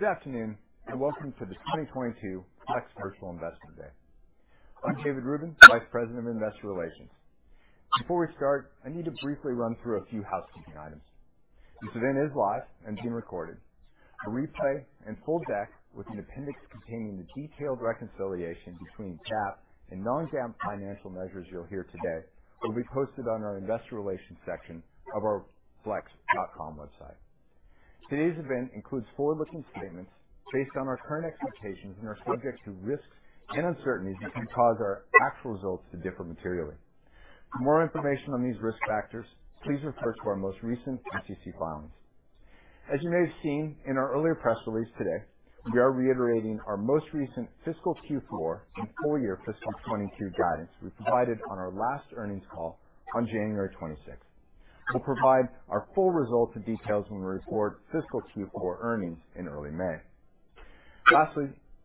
Good afternoon and welcome to the 2022 Flex Virtual Investment Day. I'm David Rubin, Vice President of Investor Relations. Before we start, I need to briefly run through a few housekeeping items. This event is live and being recorded. The replay and full deck with an appendix containing the detailed reconciliation between GAAP and non-GAAP financial measures you'll hear today will be posted on our Investor Relations section of our flex.com website. Today's event includes forward-looking statements based on our current expectations and are subject to risks and uncertainties that can cause our actual results to differ materially. For more information on these risk factors, please refer to our most recent SEC filings. As you may have seen in our earlier press release today, we are reiterating our most recent Fiscal Q4 and full-year Fiscal 2022 guidance we provided on our last earnings call on January 26th. We'll provide our full results and details when we report Fiscal Q4 earnings in early May. Lastly,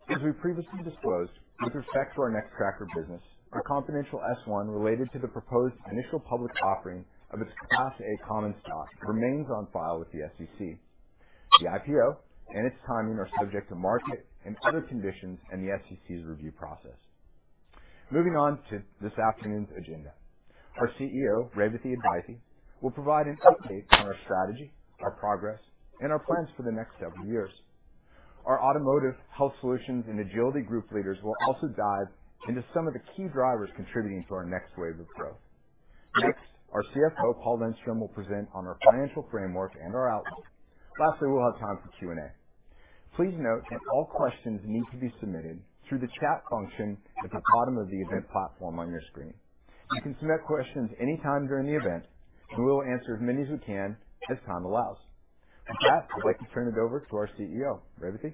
as we previously disclosed, with respect to our Nextracker business, a confidential Form S-1 related to the proposed initial public offering of its Class A Common Stock remains on file with the SEC. The IPO and its timing are subject to market and other conditions and the SEC's review process. Moving on to this afternoon's agenda, our CEO, Revathi Advaithi, will provide an update on our strategy, our progress, and our plans for the next several years. Our Automotive, Health Solutions and Agility Group leaders will also dive into some of the key drivers contributing to our next wave of growth. Next, our CFO, Paul Lundstrom, will present on our financial framework and our outlook. Lastly, we'll have time for Q&A. Please note that all questions need to be submitted through the chat function at the bottom of the event platform on your screen. You can submit questions anytime during the event, and we'll answer as many as we can as time allows. With that, I'd like to turn it over to our CEO, Revathi. There we go again. Okay, I'm going to start again.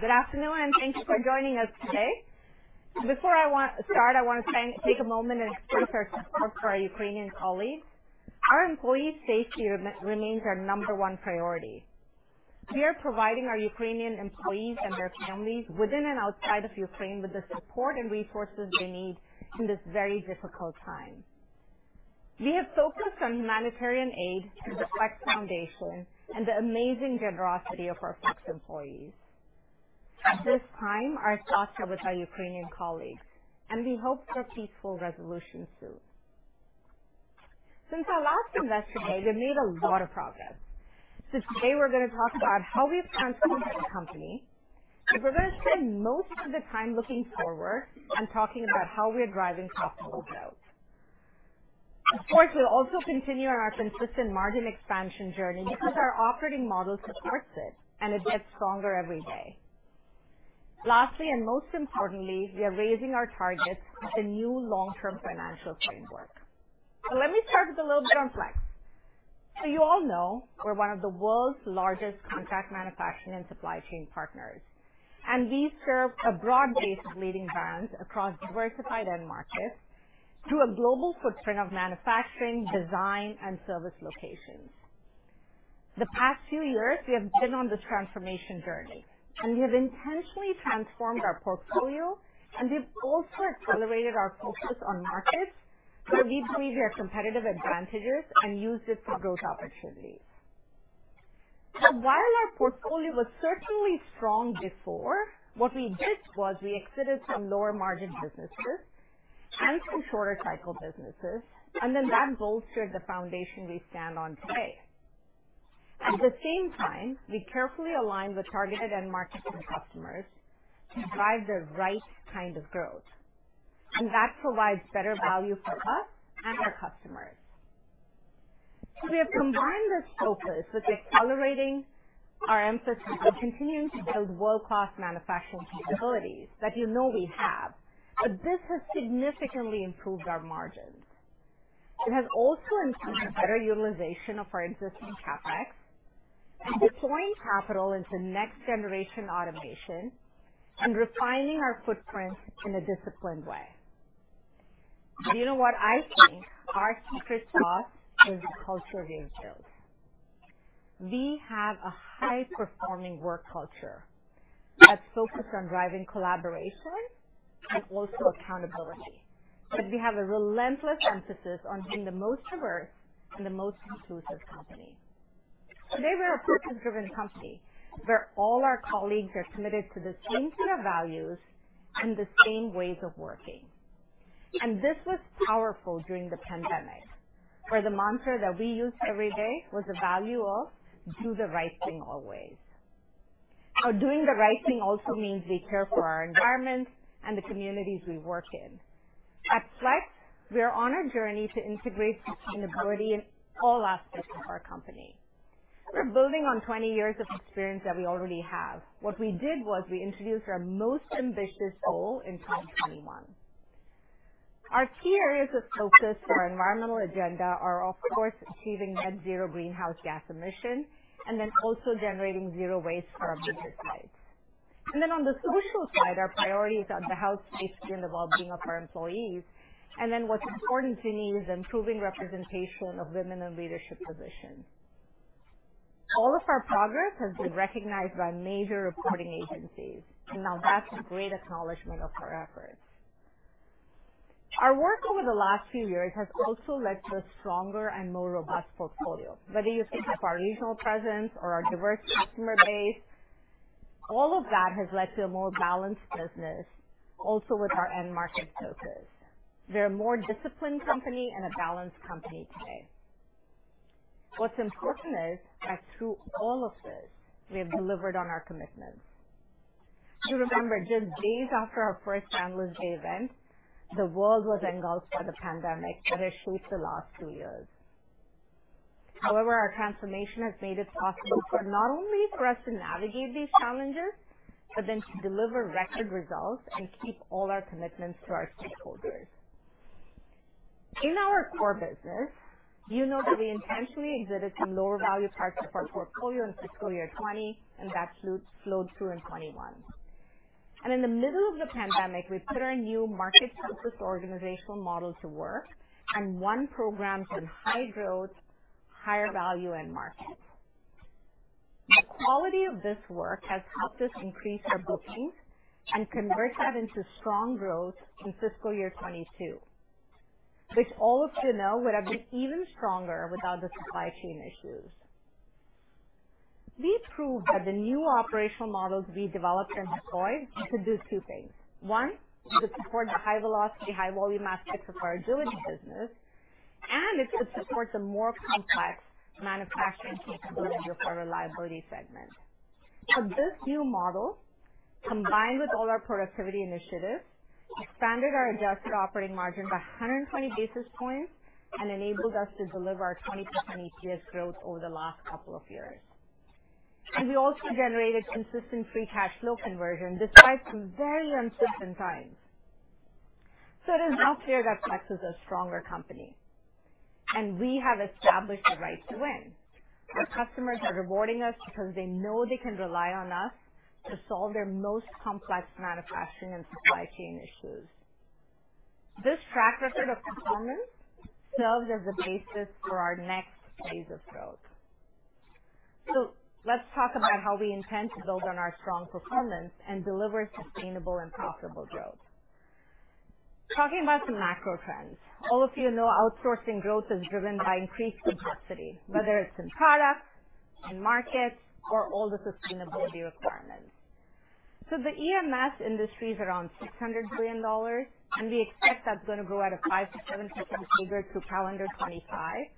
Good afternoon, and thank you for joining us today. Before I start, I want to take a moment and express our support for our Ukrainian colleagues. Our employee safety remains our number one priority. We are providing our Ukrainian employees and their families within and outside of Ukraine with the support and resources they need in this very difficult time. We have focused on humanitarian aid to the Flex Foundation and the amazing generosity of our Flex employees. At this time, our thoughts are with our Ukrainian colleagues, and we hope for a peaceful resolution soon. Since our last Investor Day, we've made a lot of progress. Today, we're going to talk about how we've transformed our company, and we're going to spend most of the time looking forward and talking about how we are driving profitable growth. Of course, we'll also continue on our consistent margin expansion journey because our operating model supports it, and it gets stronger every day. Lastly, and most importantly, we are raising our targets with a new long-term financial framework. Let me start with a little bit on Flex. So you all know we're one of the world's largest contract manufacturing and supply chain partners, and we serve a broad base of leading brands across diversified end markets through a global footprint of manufacturing, design, and service locations. The past few years, we have been on this transformation journey, and we have intentionally transformed our portfolio, and we've also accelerated our focus on markets where we believe we have competitive advantages and used it for growth opportunities. While our portfolio was certainly strong before, what we did was we exited some lower-margin businesses and some shorter-cycle businesses, and then that bolstered the foundation we stand on today. At the same time, we carefully align with targeted end markets and customers to drive the right kind of growth, and that provides better value for us and our customers. We have combined this focus with accelerating our emphasis on continuing to build world-class manufacturing capabilities that you know we have, but this has significantly improved our margins. It has also improved better utilization of our existing CapEx and deploying capital into next-generation automation and refining our footprint in a disciplined way. Do you know what I think our secret sauce is the culture we've built? We have a high-performing work culture that's focused on driving collaboration and also accountability, but we have a relentless emphasis on being the most diverse and the most inclusive company. Today, we're a purpose-driven company where all our colleagues are committed to the same set of values and the same ways of working. And this was powerful during the pandemic, where the mantra that we used every day was the value of, "Do the right thing always." Now, doing the right thing also means we care for our environment and the communities we work in. At Flex, we're on a journey to integrate sustainability in all aspects of our company. We're building on 20 years of experience that we already have. What we did was we introduced our most ambitious goal in 2021. Our key areas of focus for our environmental agenda are, of course, achieving net-zero greenhouse gas emission and then also generating zero waste for our business sites and then on the social side, our priorities are the health, safety, and the well-being of our employees and then what's important to me is improving representation of women in leadership positions. All of our progress has been recognized by major reporting agencies, and now that's a great acknowledgment of our efforts. Our work over the last few years has also led to a stronger and more robust portfolio. Whether you think of our regional presence or our diverse customer base, all of that has led to a more balanced business, also with our end market focus. We're a more disciplined company and a balanced company today. What's important is that through all of this, we have delivered on our commitments. You remember, just days after our first annual day event, the world was engulfed by the pandemic that has shaped the last two years. However, our transformation has made it possible for not only us to navigate these challenges, but then to deliver record results and keep all our commitments to our stakeholders. In our Core business, you know that we intentionally exited some lower-value parts of our portfolio in fiscal year 2020, and that flowed through in 2021. In the middle of the pandemic, we put our new market-focused organizational model to work and won programs in high growth, higher value, and market. The quality of this work has helped us increase our bookings and convert that into strong growth in fiscal year 2022, which all of you know would have been even stronger without the supply chain issues. We proved that the new operational models we developed and deployed could do two things. One, it could support the high-velocity, high-volume aspects of our Agility business, and it could support the more complex manufacturing capabilities of our Reliability segment. Now, this new model, combined with all our productivity initiatives, expanded our adjusted operating margin by 120 basis points and enabled us to deliver our 20% EPS growth over the last couple of years, and we also generated consistent free cash flow conversion despite some very uncertain times, so it is now clear that Flex is a stronger company, and we have established a right to win. Our customers are rewarding us because they know they can rely on us to solve their most complex manufacturing and supply chain issues. This track record of performance serves as a basis for our next phase of growth. So let's talk about how we intend to build on our strong performance and deliver sustainable and profitable growth. Talking about some macro trends, all of you know outsourcing growth is driven by increased complexity, whether it's in products, in markets, or all the sustainability requirements. So the EMS industry is around $600 billion, and we expect that's going to grow at a 5%-7% figure through calendar 2025,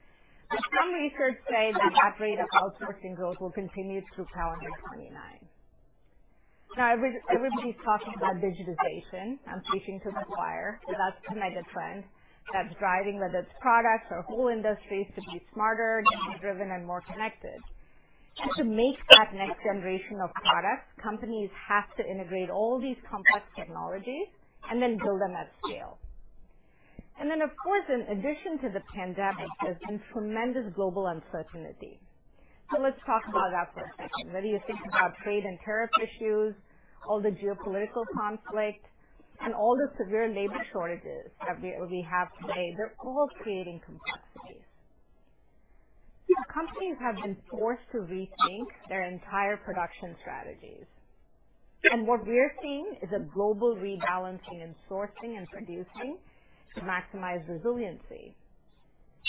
but some research says that that rate of outsourcing growth will continue through calendar 2029. Now, everybody's talking about digitization. I'm speaking to the choir, but that's the megatrend that's driving whether it's products or whole industries to be smarter, data-driven, and more connected. And to make that next generation of products, companies have to integrate all these complex technologies and then build them at scale. Of course, in addition to the pandemic, there's been tremendous global uncertainty. So let's talk about that for a second. Whether you think about trade and tariff issues, all the geopolitical conflict, and all the severe labor shortages that we have today, they're all creating complexities. Companies have been forced to rethink their entire production strategies, and what we're seeing is a global rebalancing in sourcing and producing to maximize resiliency.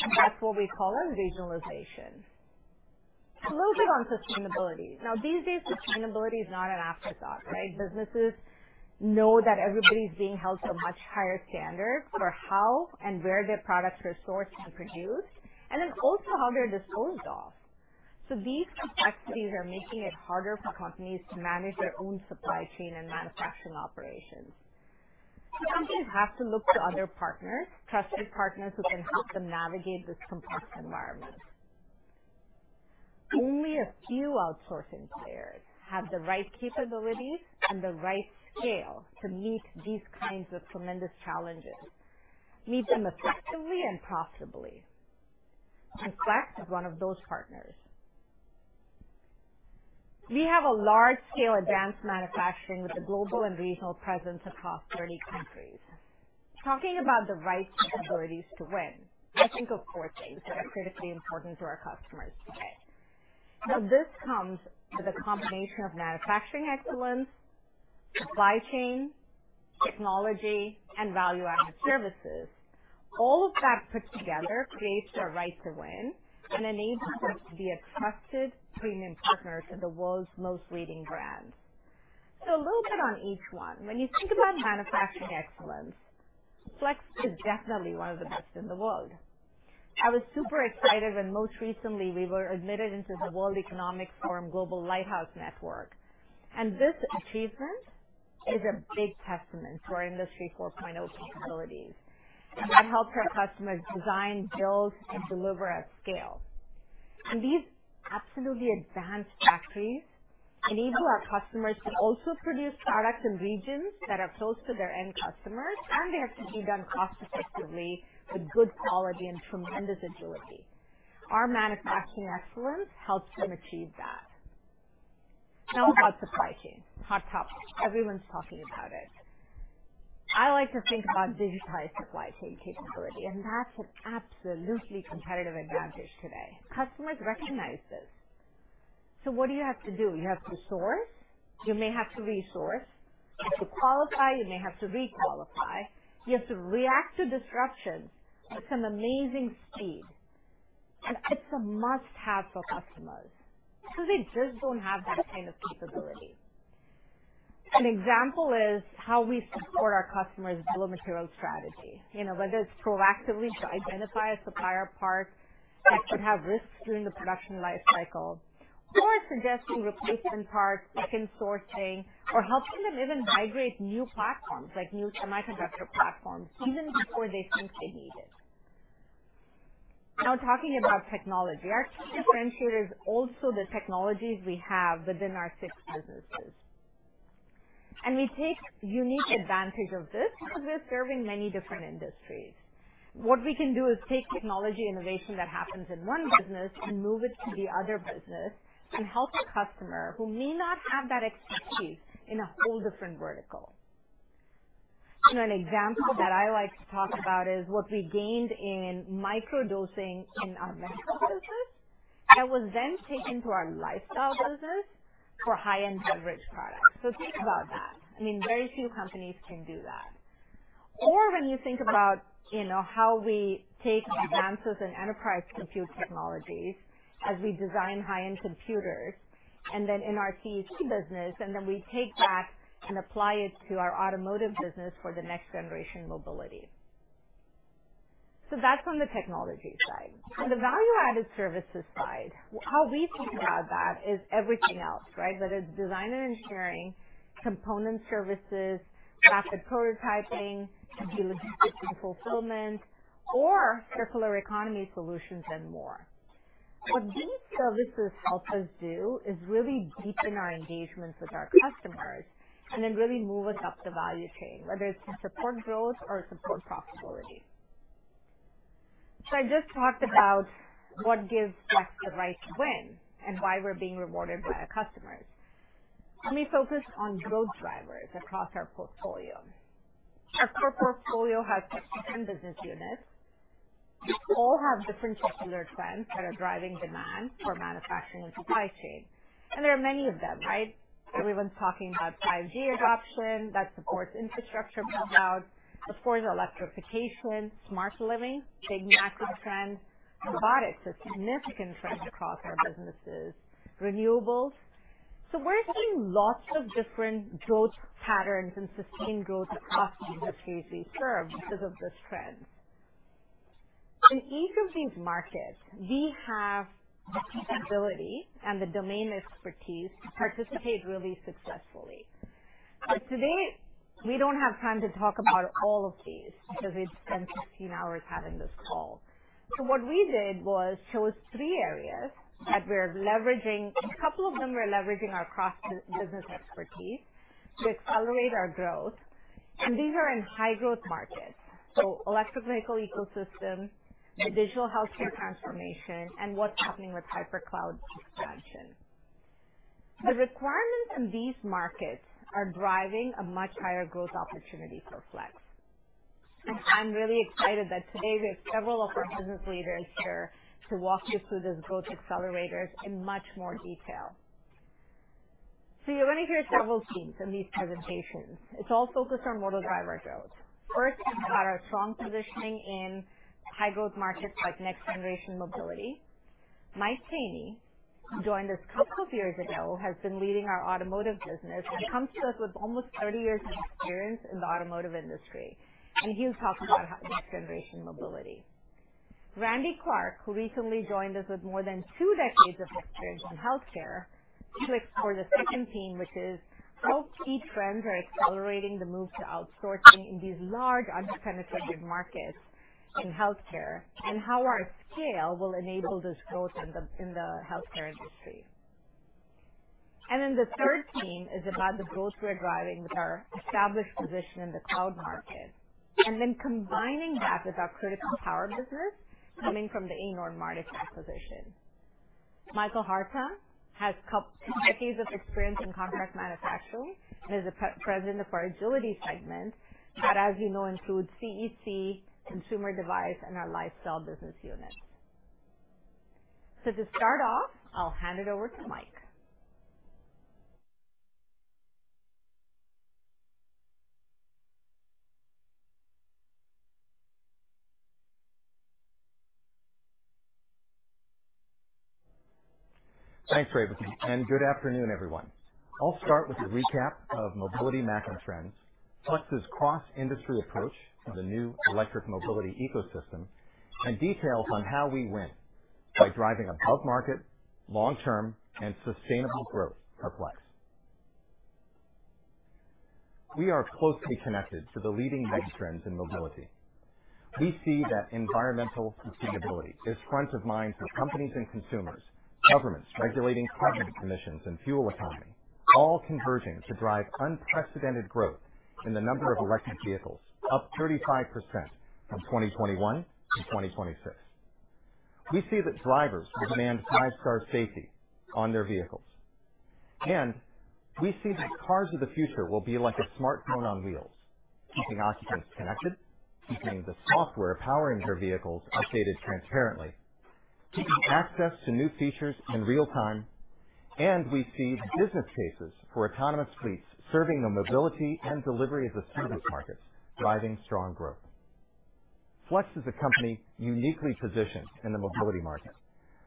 And that's what we call regionalization. A little bit on sustainability. Now, these days, sustainability is not an afterthought, right? Businesses know that everybody's being held to a much higher standard for how and where their products are sourced and produced, and then also how they're disposed of. So these complexities are making it harder for companies to manage their own supply chain and manufacturing operations. Companies have to look to other partners, trusted partners who can help them navigate this complex environment. Only a few outsourcing players have the right capabilities and the right scale to meet these kinds of tremendous challenges, meet them effectively and profitably, and Flex is one of those partners. We have a large-scale advanced manufacturing with a global and regional presence across 30 countries. Talking about the right capabilities to win, I think of four things that are critically important to our customers today. Now, this comes with a combination of manufacturing excellence, supply chain, technology, and value-added services. All of that put together creates our right to win and enables us to be a trusted premium partner to the world's most leading brands, so a little bit on each one. When you think about manufacturing excellence, Flex is definitely one of the best in the world. I was super excited when most recently we were admitted into the World Economic Forum Global Lighthouse Network, and this achievement is a big testament to our Industry 4.0 capabilities. That helps our customers design, build, and deliver at scale, and these absolutely advanced factories enable our customers to also produce products in regions that are close to their end customers, and they have to be done cost-effectively with good quality and tremendous agility. Our manufacturing excellence helps them achieve that. Now, about supply chain, hot topic. Everyone's talking about it. I like to think about digitized supply chain capability, and that's an absolutely competitive advantage today. Customers recognize this, so what do you have to do? You have to source. You may have to resource. You have to qualify. You may have to requalify. You have to react to disruptions at some amazing speed. It's a must-have for customers because they just don't have that kind of capability. An example is how we support our customers' raw material strategy, whether it's proactively to identify a supplier part that could have risks during the production lifecycle, or suggesting replacement parts, second sourcing, or helping them even migrate new platforms like new semiconductor platforms even before they think they need it. Now, talking about technology, our key differentiator is also the technologies we have within our six businesses. And we take unique advantage of this because we're serving many different industries. What we can do is take technology innovation that happens in one business and move it to the other business and help a customer who may not have that expertise in a whole different vertical. An example that I like to talk about is what we gained in microdosing in our medical business that was then taken to our Lifestyle business for high-end beverage products. So think about that. I mean, very few companies can do that. Or when you think about how we take advances in enterprise compute technologies as we design high-end computers and then in our CEC business, and then we take that and apply it to our Automotive business for the next generation mobility. So that's on the technology side. On the value-added services side, how we think about that is everything else, right? Whether it's design and engineering, component services, rapid prototyping, and delivery to fulfillment, or circular economy solutions and more. What these services help us do is really deepen our engagements with our customers and then really move us up the value chain, whether it's to support growth or support profitability. So I just talked about what gives Flex the right to win and why we're being rewarded by our customers. Let me focus on growth drivers across our portfolio. Our core portfolio has 60 business units. All have different circular trends that are driving demand for manufacturing and supply chain. And there are many of them, right? Everyone's talking about 5G adoption that supports infrastructure build-out, of course, electrification, smart living, big massive trend, robotics is a significant trend across our businesses, renewables. So we're seeing lots of different growth patterns and sustained growth across the industries we serve because of this trend. In each of these markets, we have the capability and the domain expertise to participate really successfully, but today we don't have time to talk about all of these because we've spent 16 hours having this call, so what we did was choose three areas that we're leveraging. A couple of them we're leveraging our cross-business expertise to accelerate our growth, and these are in high-growth markets, so electric vehicle ecosystem, the digital healthcare transformation, and what's happening with hypercloud expansion. The requirements in these markets are driving a much higher growth opportunity for Flex, and I'm really excited that today we have several of our business leaders here to walk you through these growth accelerators in much more detail, so you're going to hear several themes in these presentations. It's all focused on market driver growth. First, we've got our strong positioning in high-growth markets like next-generation mobility. Mike Keaney, who joined us a couple of years ago, has been leading our Automotive business and comes to us with almost 30 years of experience in the automotive industry. And he'll talk about next-generation mobility. Randy Clark, who recently joined us with more than two decades of experience in healthcare, he'll explore the second theme, which is how key trends are accelerating the move to outsourcing in these large unpenetrated markets in healthcare and how our scale will enable this growth in the healthcare industry. And then the third theme is about the growth we're driving with our established position in the cloud market and then combining that with our critical power business coming from the Anord Mardix acquisition. Michael Hartung has decades of experience in contract manufacturing and is the president of our Agility segment that, as you know, includes CEC, Consumer Devices, and our Lifestyle business units. So to start off, I'll hand it over to Mike. Thanks, Revathi. And good afternoon, everyone. I'll start with a recap of mobility megatrends, Flex's cross-industry approach to the new electric mobility ecosystem, and details on how we win by driving above-market, long-term, and sustainable growth for Flex. We are closely connected to the leading megatrends in mobility. We see that environmental sustainability is front of mind for companies and consumers, governments regulating carbon emissions and fuel economy, all converging to drive unprecedented growth in the number of electric vehicles, up 35% from 2021 to 2026. We see that drivers will demand five-star safety on their vehicles. And we see that cars of the future will be like a smartphone on wheels, keeping occupants connected, keeping the software powering their vehicles updated transparently, keeping access to new features in real time. We see business cases for autonomous fleets serving the mobility and delivery of the service markets, driving strong growth. Flex is a company uniquely positioned in the mobility market,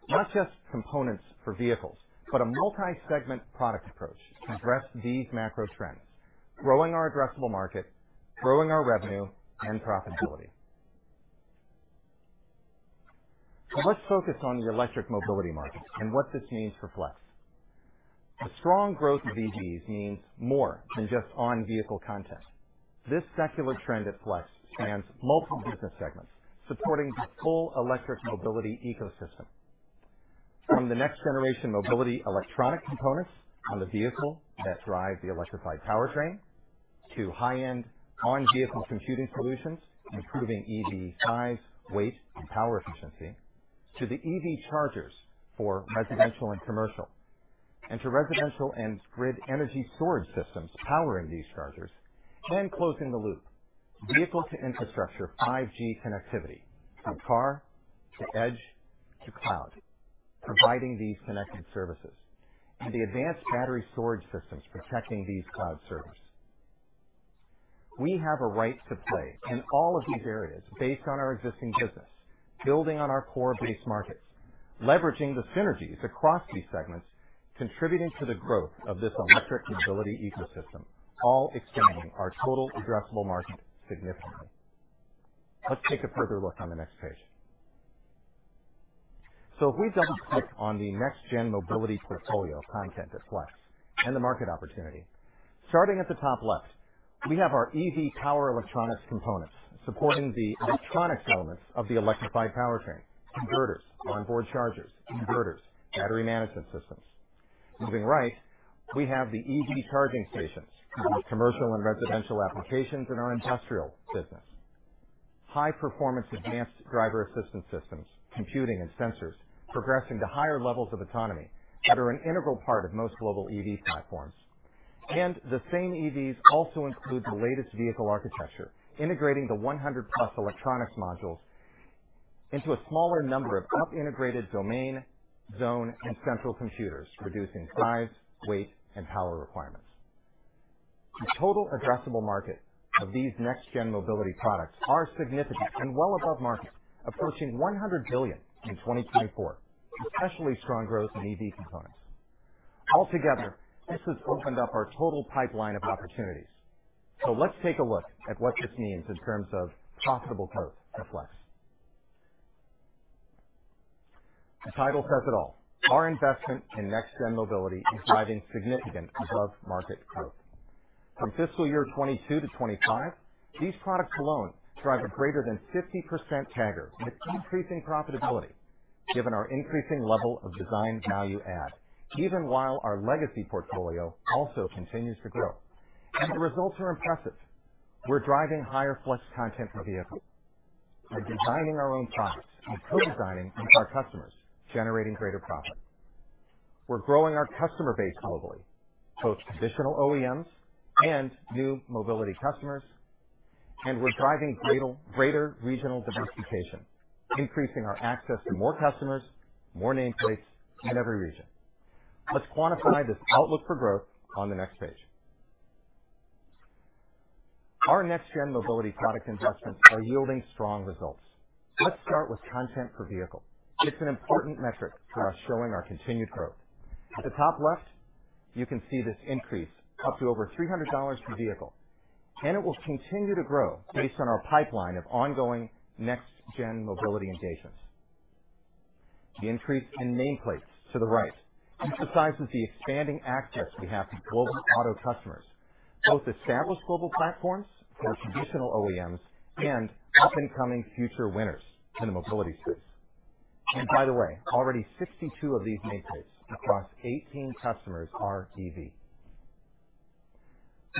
not just components for vehicles, but a multi-segment product approach to address these macro trends, growing our addressable market, growing our revenue, and profitability. Let's focus on the electric mobility market and what this means for Flex. The strong growth of EVs means more than just on-vehicle content. This secular trend at Flex spans multiple business segments, supporting the full electric mobility ecosystem. From the next-generation mobility electronic components on the vehicle that drive the electrified powertrain to high-end on-vehicle computing solutions, improving EV size, weight, and power efficiency, to the EV chargers for residential and commercial, and to residential and grid energy storage systems powering these chargers, and closing the loop, vehicle-to-infrastructure 5G connectivity from car to edge to cloud, providing these connected services, and the advanced battery storage systems protecting these cloud servers. We have a right to play in all of these areas based on our existing business, building on our core base markets, leveraging the synergies across these segments, contributing to the growth of this electric mobility ecosystem, all expanding our total addressable market significantly. Let's take a further look on the next page. If we double-click on the next-gen mobility portfolio content at Flex and the market opportunity, starting at the top left, we have our EV power electronics components supporting the electronics elements of the electrified powertrain, converters, onboard chargers, inverters, battery management systems. Moving right, we have the EV charging stations, commercial and residential applications in our Industrial business, high-performance advanced driver assistance systems, computing, and sensors progressing to higher levels of autonomy that are an integral part of most global EV platforms. The same EVs also include the latest vehicle architecture, integrating the 100+ electronics modules into a smaller number of highly integrated domain, zone, and central computers, reducing size, weight, and power requirements. The total addressable market of these next-gen mobility products is significant and well above market, approaching $100 billion in 2024, especially strong growth in EV components. Altogether, this has opened up our total pipeline of opportunities. So let's take a look at what this means in terms of profitable growth for Flex. The title says it all. Our investment in next-gen mobility is driving significant above-market growth. From fiscal year 2022-2025, these products alone drive a greater than 50% CAGR with increasing profitability, given our increasing level of design value-add, even while our legacy portfolio also continues to grow, and the results are impressive. We're driving higher Flex content for vehicles by designing our own products and co-designing with our customers, generating greater profit. We're growing our customer base globally, both traditional OEMs and new mobility customers, and we're driving greater regional diversification, increasing our access to more customers, more nameplates in every region. Let's quantify this outlook for growth on the next page. Our next-gen mobility product investments are yielding strong results. Let's start with content per vehicle. It's an important metric for us showing our continued growth. At the top left, you can see this increase up to over $300 per vehicle, and it will continue to grow based on our pipeline of ongoing next-gen mobility engagements. The increase in nameplates to the right emphasizes the expanding access we have to global auto customers, both established global platforms for traditional OEMs and up-and-coming future winners in the mobility space. And by the way, already 62 of these nameplates across 18 customers are EV.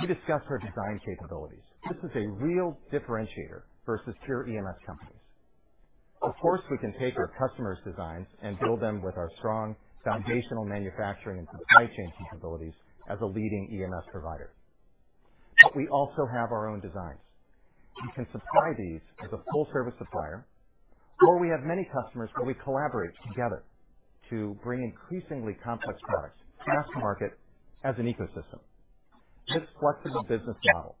We discussed our design capabilities. This is a real differentiator versus pure EMS companies. Of course, we can take our customers' designs and build them with our strong foundational manufacturing and supply chain capabilities as a leading EMS provider. But we also have our own designs. We can supply these as a full-service supplier, or we have many customers where we collaborate together to bring increasingly complex products fast to market as an ecosystem. This flexible business model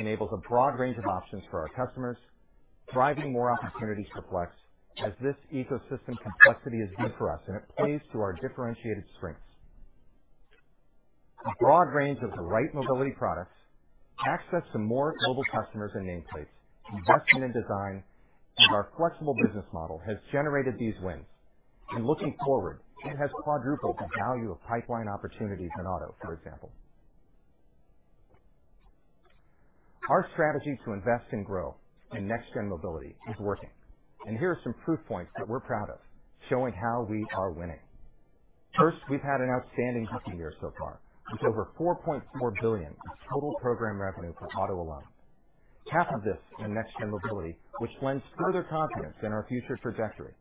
enables a broad range of options for our customers, driving more opportunities for Flex as this ecosystem complexity is new for us, and it plays to our differentiated strengths. A broad range of the right mobility products, access to more global customers and nameplates, investment in design, and our flexible business model has generated these wins, and looking forward, it has quadrupled the value of pipeline opportunities in auto, for example. Our strategy to invest and grow in next-gen mobility is working, and here are some proof points that we're proud of, showing how we are winning. First, we've had an outstanding booking year so far, with over $4.4 billion in total program revenue for auto alone, $2.2 billion of this in next-gen mobility, which lends further confidence in our future trajectory.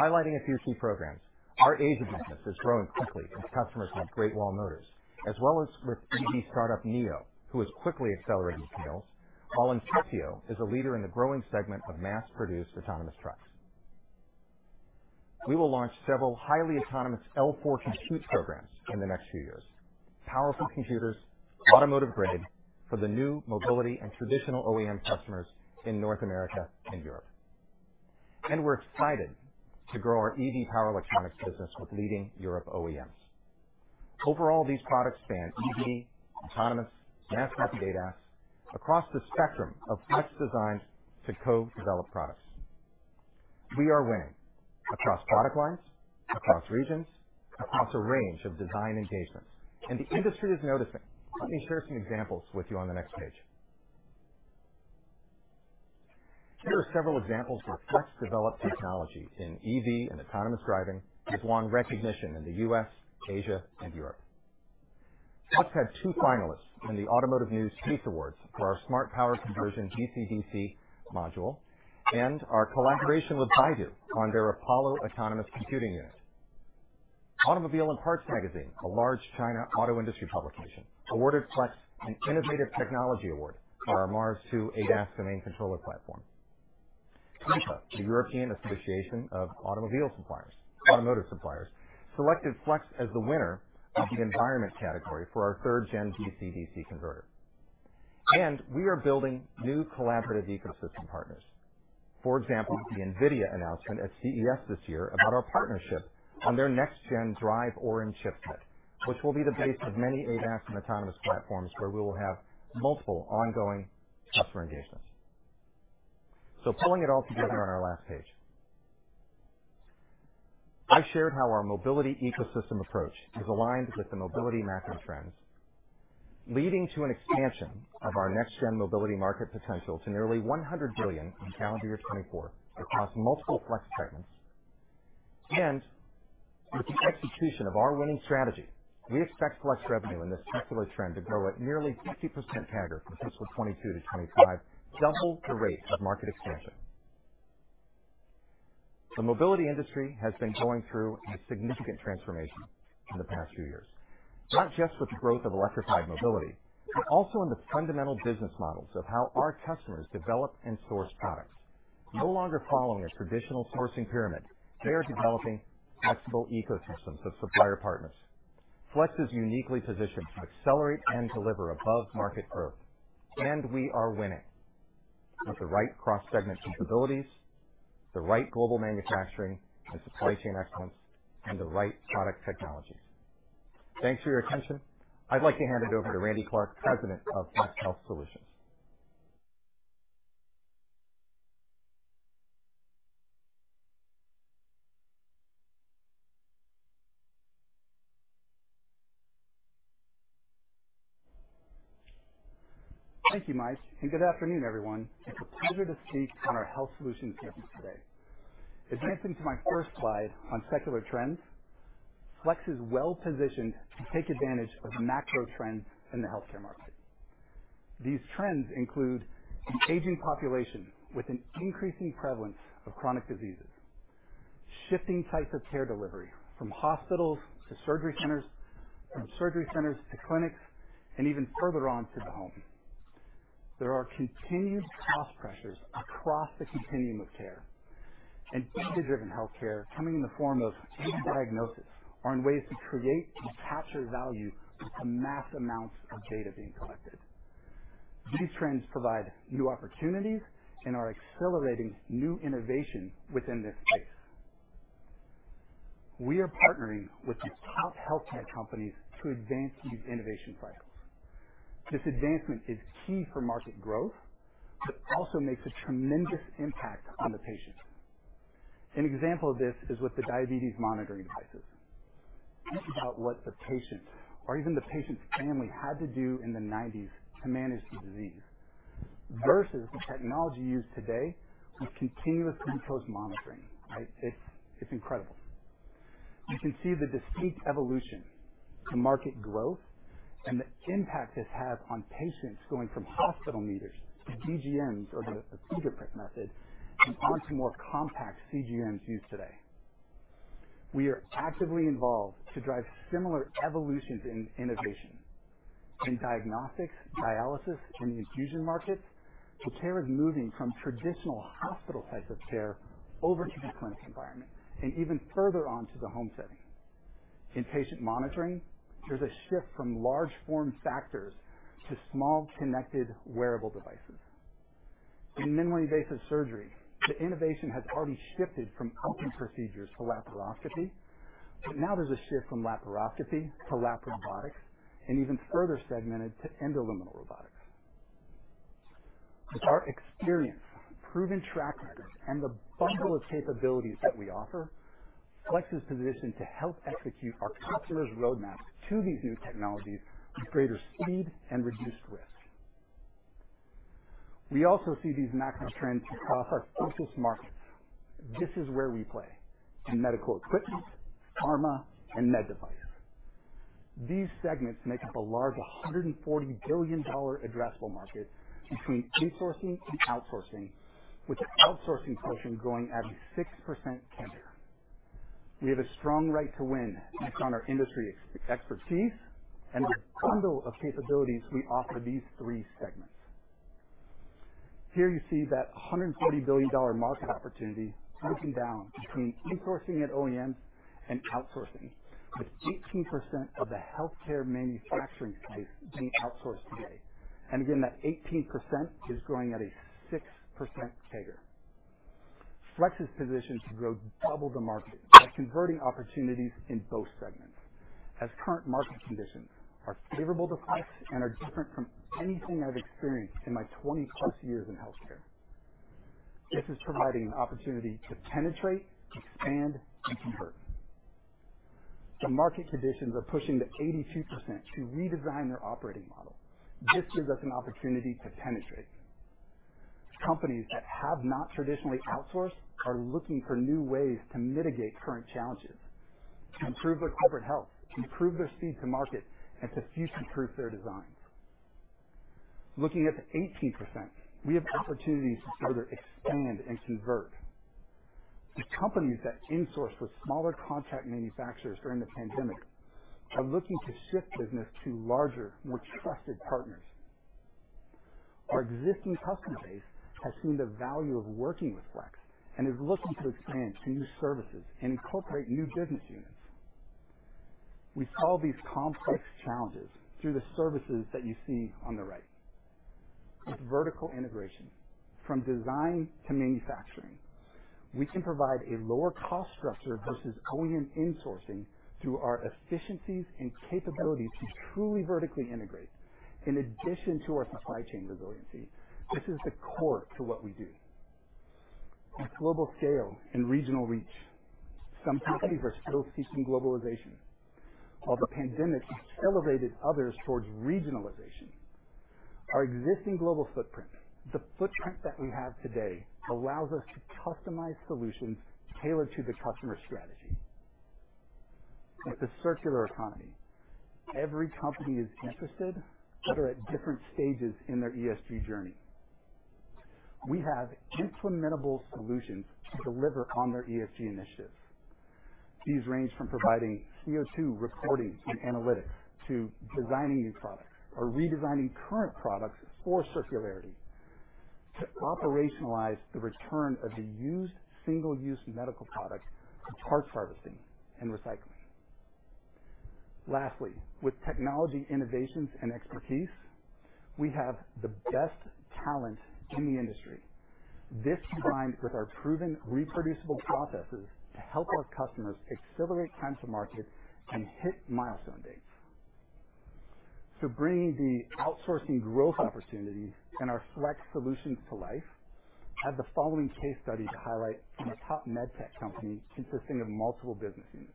Highlighting a few key programs, our Asia business is growing quickly with customers like Great Wall Motors, as well as with EV startup NIO, who is quickly accelerating sales, while Inceptio is a leader in the growing segment of mass-produced autonomous trucks. We will launch several highly autonomous L4 compute programs in the next few years, powerful computers, automotive-grade for the new mobility and traditional OEM customers in North America and Europe. And we're excited to grow our EV power electronics business with leading European OEMs. Overall, these products span EV, autonomous, mass-market ADAS across the spectrum of Flex designs to co-develop products. We are winning across product lines, across regions, across a range of design engagements, and the industry is noticing. Let me share some examples with you on the next page. Here are several examples of Flex-developed technology in EV and autonomous driving as well as recognition in the U.S., Asia, and Europe. Flex had two finalists in the Automotive News PACE Awards for our Smart Power Conversion DC/DC Module and our collaboration with Baidu on their Apollo Autonomous Computing Unit. Automobile & Parts Magazine, a large China auto industry publication, awarded Flex an Innovative Technology Award for our MARS II ADAS Command Controller platform. CLEPA, the European Association of Automotive Suppliers, selected Flex as the winner of the environment category for our third-gen DC/DC converter, and we are building new collaborative ecosystem partners. For example, the NVIDIA announcement at CES this year about our partnership on their next-gen Drive Orin chipset, which will be the base of many ADAS and autonomous platforms where we will have multiple ongoing customer engagements. So pulling it all together on our last page, I shared how our mobility ecosystem approach is aligned with the mobility megatrends, leading to an expansion of our next-gen mobility market potential to nearly $100 billion in calendar year 2024 across multiple Flex segments. With the execution of our winning strategy, we expect Flex revenue in this secular trend to grow at nearly 50% CAGR from fiscal 2022 to 2025, double the rate of market expansion. The mobility industry has been going through a significant transformation in the past few years, not just with the growth of electrified mobility, but also in the fundamental business models of how our customers develop and source products. No longer following a traditional sourcing pyramid, they are developing flexible ecosystems of supplier partners. Flex is uniquely positioned to accelerate and deliver above-market growth. And we are winning with the right cross-segment capabilities, the right global manufacturing and supply chain excellence, and the right product technologies. Thanks for your attention. I'd like to hand it over to Randy Clark, President of Flex Health Solutions. Thank you, Mike. And good afternoon, everyone. It's a pleasure to speak on our Health Solutions event today. Advancing to my first slide on secular trends, Flex is well-positioned to take advantage of macro trends in the healthcare market. These trends include an aging population with an increasing prevalence of chronic diseases, shifting types of care delivery from hospitals to surgery centers, from surgery centers to clinics, and even further on to the home. There are continued cost pressures across the continuum of care and data-driven healthcare coming in the form of new diagnoses or in ways to create and capture value with the mass amounts of data being collected. These trends provide new opportunities and are accelerating new innovation within this space. We are partnering with the top healthcare companies to advance these innovation cycles. This advancement is key for market growth, but also makes a tremendous impact on the patient. An example of this is with the diabetes monitoring devices. Think about what the patient or even the patient's family had to do in the 1990s to manage the disease versus the technology used today with continuous glucose monitoring. Right? It's incredible. You can see the distinct evolution to market growth and the impact this has on patients going from hospital meters to BGMs or the fingerprint method and onto more compact CGMs used today. We are actively involved to drive similar evolutions in innovation in diagnostics, dialysis, and infusion markets. The care is moving from traditional hospital types of care over to the clinic environment and even further on to the home setting. In patient monitoring, there's a shift from large form factors to small connected wearable devices. In minimally invasive surgery, the innovation has already shifted from open procedures to laparoscopy, but now there's a shift from laparoscopy to laparobotics and even further segmented to endoluminal robotics. With our experience, proven track record, and the bundle of capabilities that we offer, Flex is positioned to help execute our customers' roadmap to these new technologies with greater speed and reduced risk. We also see these macro trends across our focus markets. This is where we play in medical equipment, pharma, and med device. These segments make up a large $140 billion addressable market between insourcing and outsourcing, with the outsourcing portion growing at a 6% CAGR. We have a strong right to win based on our industry expertise and the bundle of capabilities we offer these three segments. Here you see that $140 billion market opportunity broken down between insourcing at OEMs and outsourcing, with 18% of the healthcare manufacturing space being outsourced today. And again, that 18% is growing at a 6% CAGR. Flex is positioned to grow double the market by converting opportunities in both segments as current market conditions are favorable to Flex and are different from anything I've experienced in my 20+ years in healthcare. This is providing an opportunity to penetrate, expand, and convert. The market conditions are pushing the 82% to redesign their operating model. This gives us an opportunity to penetrate. Companies that have not traditionally outsourced are looking for new ways to mitigate current challenges, improve their corporate health, improve their speed to market, and to future-proof their designs. Looking at the 18%, we have opportunities to further expand and convert. The companies that insourced with smaller contract manufacturers during the pandemic are looking to shift business to larger, more trusted partners. Our existing customer base has seen the value of working with Flex and is looking to expand to new services and incorporate new business units. We solve these complex challenges through the services that you see on the right. With vertical integration from design to manufacturing, we can provide a lower cost structure versus OEM insourcing through our efficiencies and capabilities to truly vertically integrate, in addition to our supply chain resiliency. This is the core to what we do. At global scale and regional reach, some companies are still seeking globalization, while the pandemic has elevated others towards regionalization. Our existing global footprint, the footprint that we have today, allows us to customize solutions tailored to the customer strategy. With the circular economy, every company is interested, but are at different stages in their ESG journey. We have implementable solutions to deliver on their ESG initiatives. These range from providing CO2 reporting and analytics to designing new products or redesigning current products for circularity to operationalize the return of the used single-use medical product to parts harvesting and recycling. Lastly, with technology innovations and expertise, we have the best talent in the industry. This combined with our proven reproducible processes to help our customers accelerate time to market and hit milestone dates. So bringing the outsourcing growth opportunities and our Flex solutions to life, I have the following case study to highlight from a top med tech company consisting of multiple business units.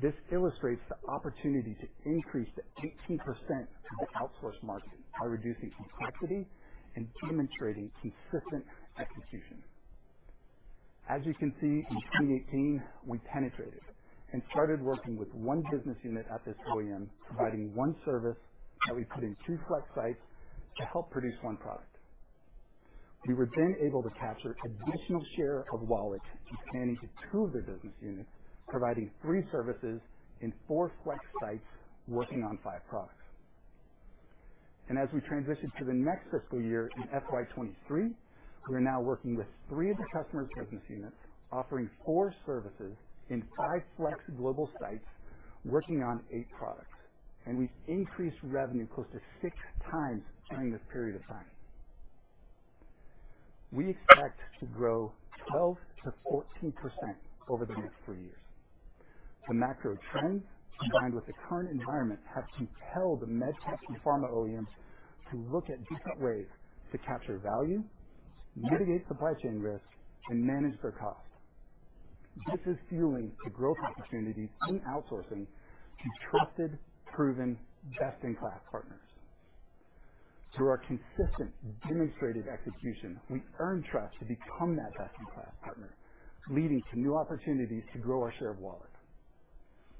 This illustrates the opportunity to increase to 18% the outsourced market by reducing complexity and demonstrating consistent execution. As you can see, in 2018, we penetrated and started working with one business unit at this OEM, providing one service that we put into Flex sites to help produce one product. We were then able to capture additional share of wallet expanding to two of their business units, providing three services in four Flex sites working on five products, and as we transitioned to the next fiscal year in FY 2023, we are now working with three of the customers' business units, offering four services in five Flex global sites working on eight products, and we've increased revenue close to 6x during this period of time. We expect to grow 12%-14% over the next three years. The macro trends combined with the current environment have compelled the med tech and pharma OEMs to look at different ways to capture value, mitigate supply chain risk, and manage their cost. This is fueling the growth opportunities in outsourcing to trusted, proven, best-in-class partners. Through our consistent demonstrated execution, we earned trust to become that best-in-class partner, leading to new opportunities to grow our share of wallet.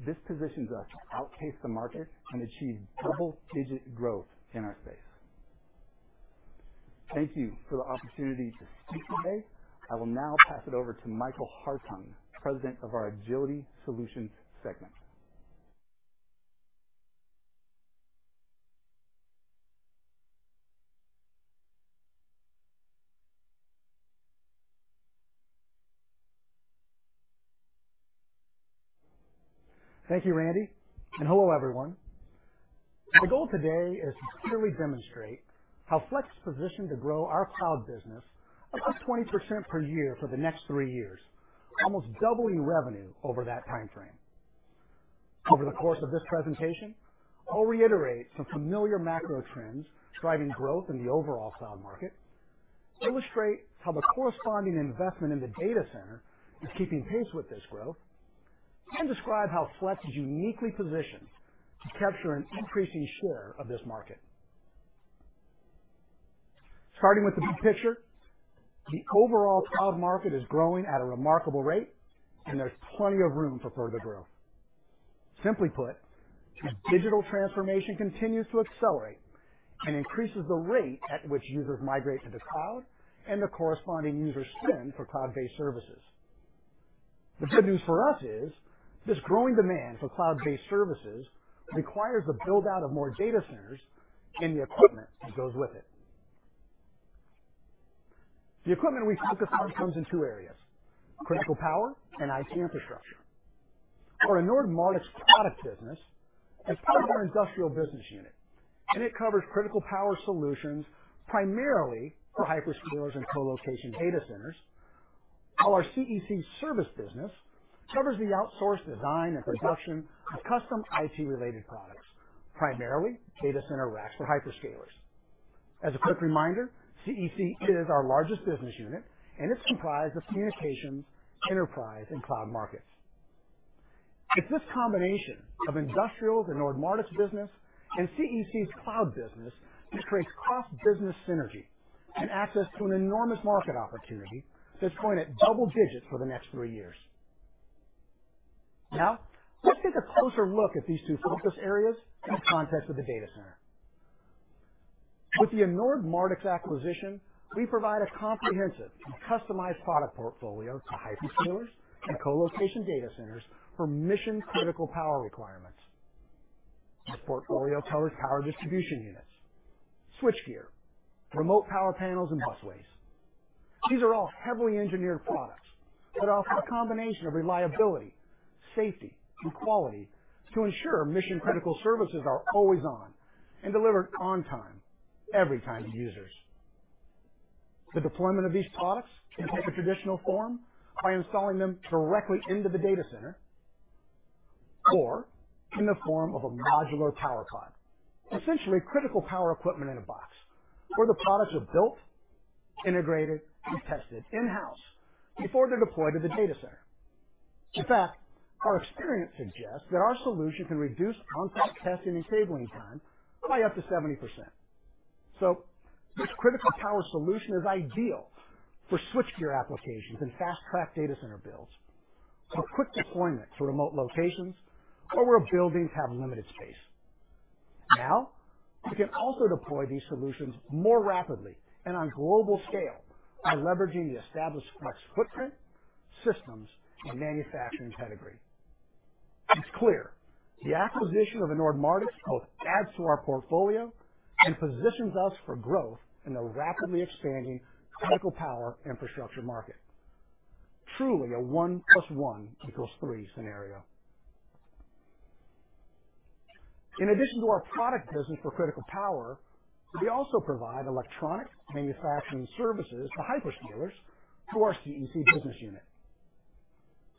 This positions us to outpace the market and achieve double-digit growth in our space. Thank you for the opportunity to speak today. I will now pass it over to Michael Hartung, President of our Agility Solutions segment. Thank you, Randy. And hello, everyone. My goal today is to clearly demonstrate how Flex is positioned to grow our cloud business about 20% per year for the next three years, almost doubling revenue over that timeframe. Over the course of this presentation, I'll reiterate some familiar macro trends driving growth in the overall cloud market, illustrate how the corresponding investment in the data center is keeping pace with this growth, and describe how Flex is uniquely positioned to capture an increasing share of this market. Starting with the big picture, the overall cloud market is growing at a remarkable rate, and there's plenty of room for further growth. Simply put, digital transformation continues to accelerate and increases the rate at which users migrate to the cloud and the corresponding user spend for cloud-based services. The good news for us is this growing demand for cloud-based services requires the build-out of more data centers and the equipment that goes with it. The equipment we focus on comes in two areas: critical power and IT infrastructure. Our Anord Mardix product business is part of our Industrial business unit, and it covers critical power solutions primarily for hyperscalers and colocation data centers, while our CEC service business covers the outsourced design and production of custom IT-related products, primarily data center racks for hyperscalers. As a quick reminder, CEC is our largest business unit, and it's comprised of communications, enterprise, and cloud markets. It's this combination of Industrial's Anord Mardix business and CEC's cloud business that creates cross-business synergy and access to an enormous market opportunity that's going at double digits for the next three years. Now, let's take a closer look at these two focus areas in the context of the data center. With the Anord Mardix acquisition, we provide a comprehensive and customized product portfolio for hyperscalers and colocation data centers for mission-critical power requirements. This portfolio covers power distribution units, switchgear, remote power panels, and busways. These are all heavily engineered products that offer a combination of reliability, safety, and quality to ensure mission-critical services are always on and delivered on time every time to users. The deployment of these products can take a traditional form by installing them directly into the data center or in the form of a modular power pod, essentially critical power equipment in a box where the products are built, integrated, and tested in-house before they're deployed to the data center. In fact, our experience suggests that our solution can reduce on-site testing and cabling time by up to 70%. So this critical power solution is ideal for switchgear applications and fast-track data center builds for quick deployment to remote locations or where buildings have limited space. Now, we can also deploy these solutions more rapidly and on a global scale by leveraging the established Flex footprint, systems, and manufacturing pedigree. It's clear the acquisition of Anord Mardix both adds to our portfolio and positions us for growth in the rapidly expanding critical power infrastructure market. Truly a 1+1=3 scenario. In addition to our product business for critical power, we also provide electronic manufacturing services to hyperscalers through our CEC business unit.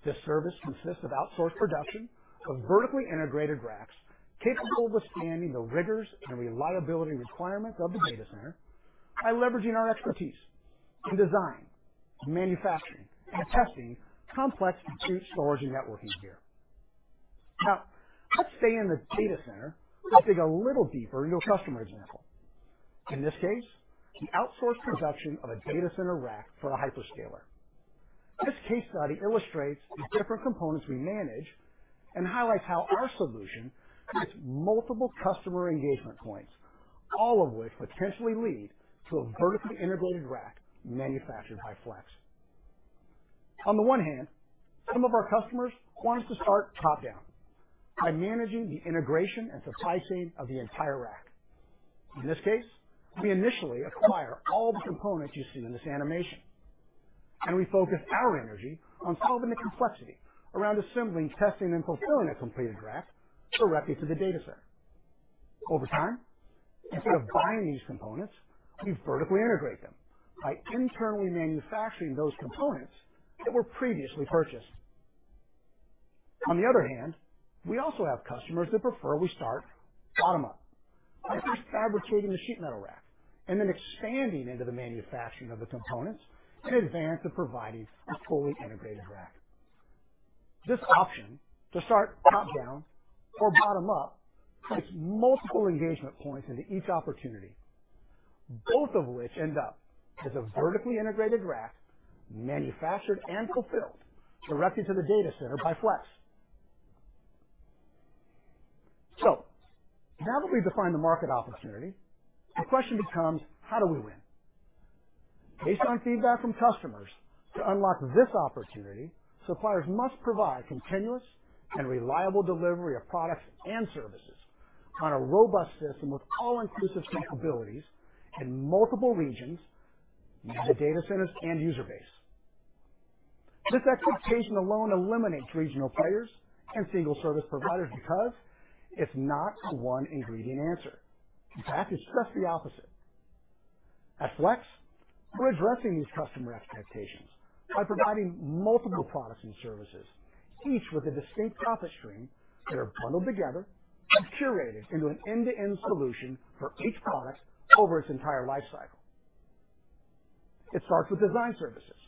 This service consists of outsourced production of vertically integrated racks capable of withstanding the rigors and reliability requirements of the data center by leveraging our expertise in design, manufacturing, and testing complex compute storage and networking gear. Now, let's stay in the data center and dig a little deeper into a customer example. In this case, the outsourced production of a data center rack for a hyperscaler. This case study illustrates the different components we manage and highlights how our solution has multiple customer engagement points, all of which potentially lead to a vertically integrated rack manufactured by Flex. On the one hand, some of our customers want us to start top-down by managing the integration and supply chain of the entire rack. In this case, we initially acquire all the components you see in this animation, and we focus our energy on solving the complexity around assembling, testing, and fulfilling a completed rack directly to the data center. Over time, instead of buying these components, we vertically integrate them by internally manufacturing those components that were previously purchased. On the other hand, we also have customers that prefer we start bottom-up by first fabricating the sheet metal rack and then expanding into the manufacturing of the components in advance of providing a fully integrated rack. This option to start top-down or bottom-up creates multiple engagement points into each opportunity, both of which end up as a vertically integrated rack manufactured and fulfilled directly to the data center by Flex. So now that we've defined the market opportunity, the question becomes, how do we win? Based on feedback from customers, to unlock this opportunity, suppliers must provide continuous and reliable delivery of products and services on a robust system with all-inclusive capabilities in multiple regions, the data centers, and user base. This expectation alone eliminates regional players and single-service providers because it's not a one-ingredient answer. In fact, it's just the opposite. At Flex, we're addressing these customer expectations by providing multiple products and services, each with a distinct profit stream that are bundled together and curated into an end-to-end solution for each product over its entire lifecycle. It starts with design services,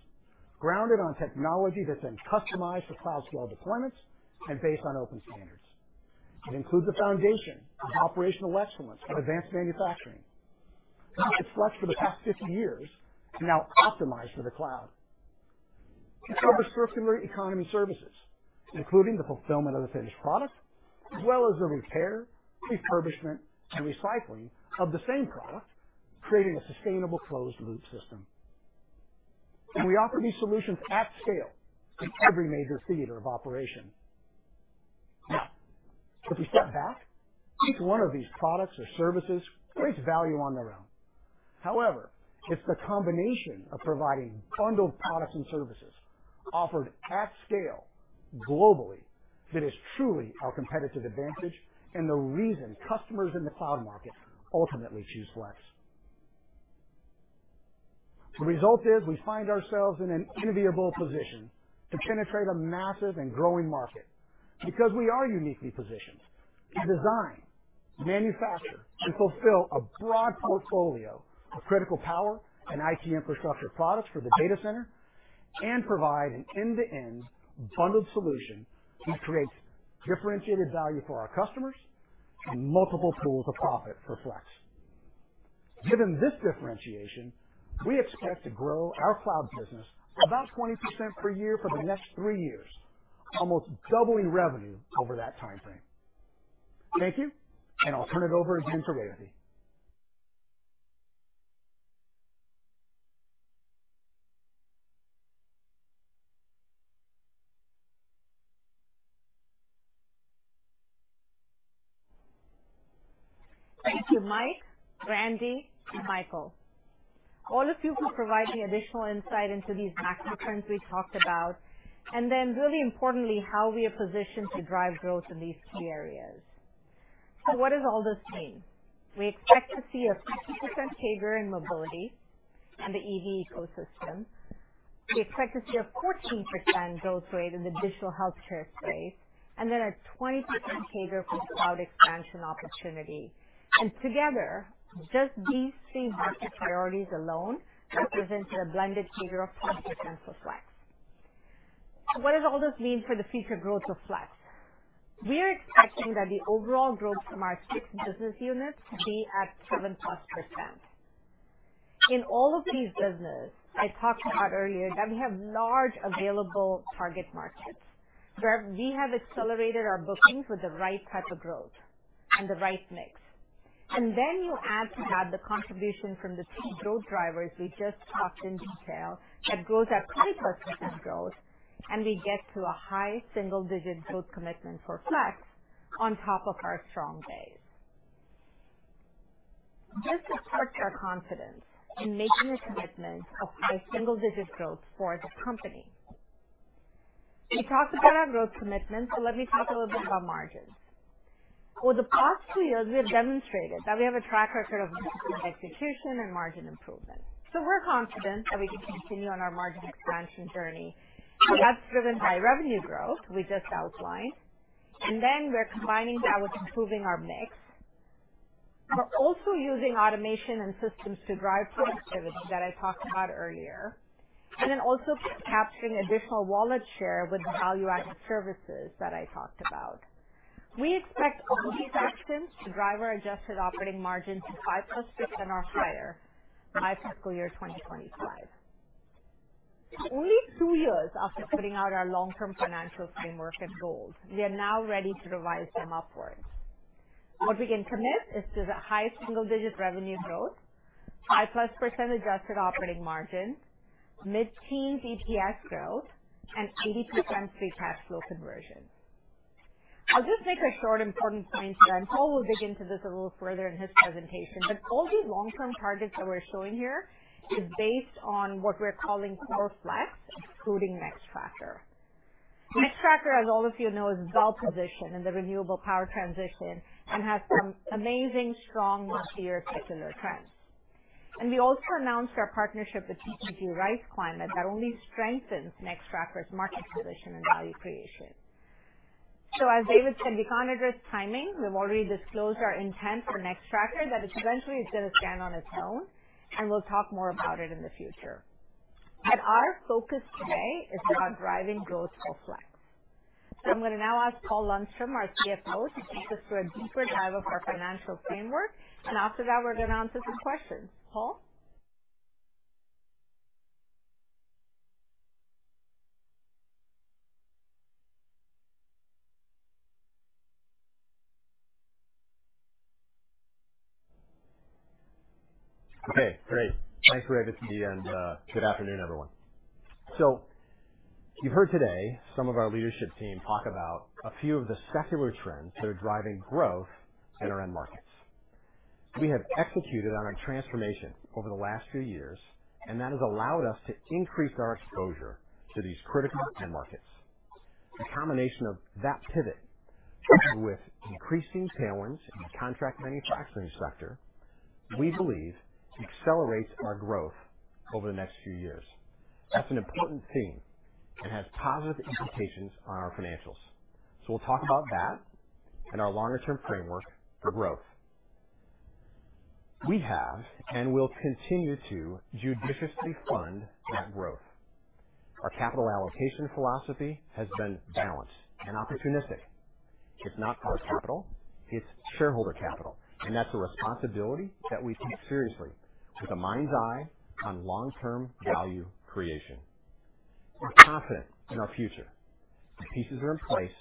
grounded on technology that's been customized for cloud-scale deployments and based on open standards. It includes a foundation of operational excellence for advanced manufacturing. It's Flex for the past 50 years and now optimized for the cloud. It covers circular economy services, including the fulfillment of the finished product, as well as the repair, refurbishment, and recycling of the same product, creating a sustainable closed-loop system, and we offer these solutions at scale in every major theater of operation. Now, if we step back, each one of these products or services creates value on their own. However, it's the combination of providing bundled products and services offered at scale globally that is truly our competitive advantage and the reason customers in the cloud market ultimately choose Flex. The result is we find ourselves in an enviable position to penetrate a massive and growing market because we are uniquely positioned to design, manufacture, and fulfill a broad portfolio of critical power and IT infrastructure products for the data center and provide an end-to-end bundled solution that creates differentiated value for our customers and multiple pools of profit for Flex. Given this differentiation, we expect to grow our cloud business about 20% per year for the next three years, almost doubling revenue over that timeframe. Thank you, and I'll turn it over again to Revathi. Thank you, Mike, Randy, and Michael. All of you will provide me additional insight into these macro trends we talked about, and then really importantly, how we are positioned to drive growth in these key areas. So what does all this mean? We expect to see a 50% CAGR in mobility and the EV ecosystem. We expect to see a 14% growth rate in the digital healthcare space, and then a 20% CAGR for cloud expansion opportunity. And together, just these three market priorities alone represent a blended CAGR of 20% for Flex. What does all this mean for the future growth of Flex? We are expecting that the overall growth from our six business units be at 7%+. In all of these businesses, I talked about earlier that we have large available target markets where we have accelerated our bookings with the right type of growth and the right mix. And then you add to that the contribution from the two growth drivers we just talked in detail that grows at 20%+ growth, and we get to a high single-digit growth commitment for Flex on top of our strong base. This supports our confidence in making a commitment of high single-digit growth for the company. We talked about our growth commitment, so let me talk a little bit about margins. Over the past two years, we have demonstrated that we have a track record of execution and margin improvement. So we're confident that we can continue on our margin expansion journey. So that's driven by revenue growth we just outlined, and then we're combining that with improving our mix. We're also using automation and systems to drive productivity that I talked about earlier, and then also capturing additional wallet share with the value-added services that I talked about. We expect all these actions to drive our adjusted operating margin to 5%+ or higher by fiscal year 2025. Only two years after putting out our long-term financial framework and goals, we are now ready to revise them upwards. What we can commit is to the high single-digit revenue growth, 5%+ adjusted operating margin, mid-teens EPS growth, and 80% free cash flow conversion. I'll just make a short important point here, and Paul will dig into this a little further in his presentation, but all these long-term targets that we're showing here are based on what we're calling Core Flex, including Nextracker. Nextracker, as all of you know, is well positioned in the renewable power transition and has some amazing, strong multi-year secular trends, and we also announced our partnership with TPG Rise Climate that only strengthens Nextracker's market position and value creation. As David said, we can't address timing. We've already disclosed our intent for Nextracker that eventually it's going to stand on its own, and we'll talk more about it in the future. But our focus today is on driving growth for Flex. I'm going to now ask Paul Lundstrom, our CFO, to take us through a deeper dive of our financial framework, and after that, we're going to answer some questions. Paul? Okay. Great. Thanks, Revathi and good afternoon, everyone. So you've heard today some of our leadership team talk about a few of the secular trends that are driving growth in our end markets. We have executed on our transformation over the last few years, and that has allowed us to increase our exposure to these critical end markets. The combination of that pivot with increasing tailwinds in the contract manufacturing sector, we believe, accelerates our growth over the next few years. That's an important theme and has positive implications on our financials. So we'll talk about that and our longer-term framework for growth. We have and will continue to judiciously fund that growth. Our capital allocation philosophy has been balanced and opportunistic. It's not core capital. It's shareholder capital, and that's a responsibility that we take seriously with a mind's eye on long-term value creation. We're confident in our future. The pieces are in place,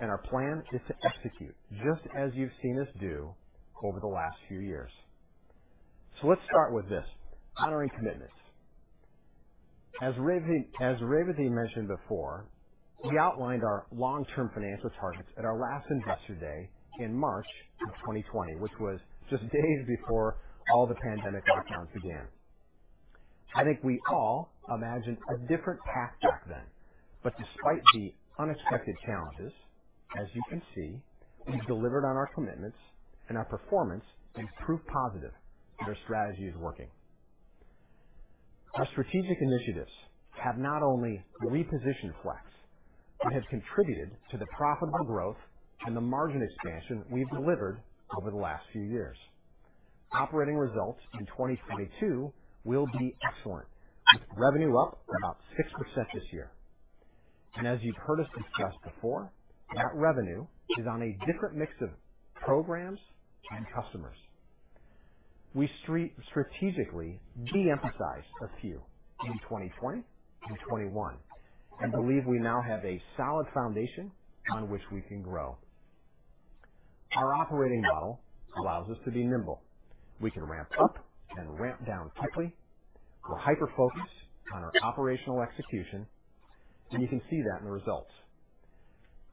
and our plan is to execute just as you've seen us do over the last few years. So let's start with this: honoring commitments. As Revathi mentioned before, we outlined our long-term financial targets at our last Investor Day in March of 2020, which was just days before all the pandemic lockdowns began. I think we all imagined a different path back then, but despite the unexpected challenges, as you can see, we delivered on our commitments, and our performance has improved positively, and our strategy is working. Our strategic initiatives have not only repositioned Flex, but have contributed to the profitable growth and the margin expansion we've delivered over the last few years. Operating results in 2022 will be excellent, with revenue up about 6% this year. And as you've heard us discuss before, that revenue is on a different mix of programs and customers. We strategically de-emphasized a few in 2020 and 2021 and believe we now have a solid foundation on which we can grow. Our operating model allows us to be nimble. We can ramp up and ramp down quickly. We're hyper-focused on our operational execution, and you can see that in the results.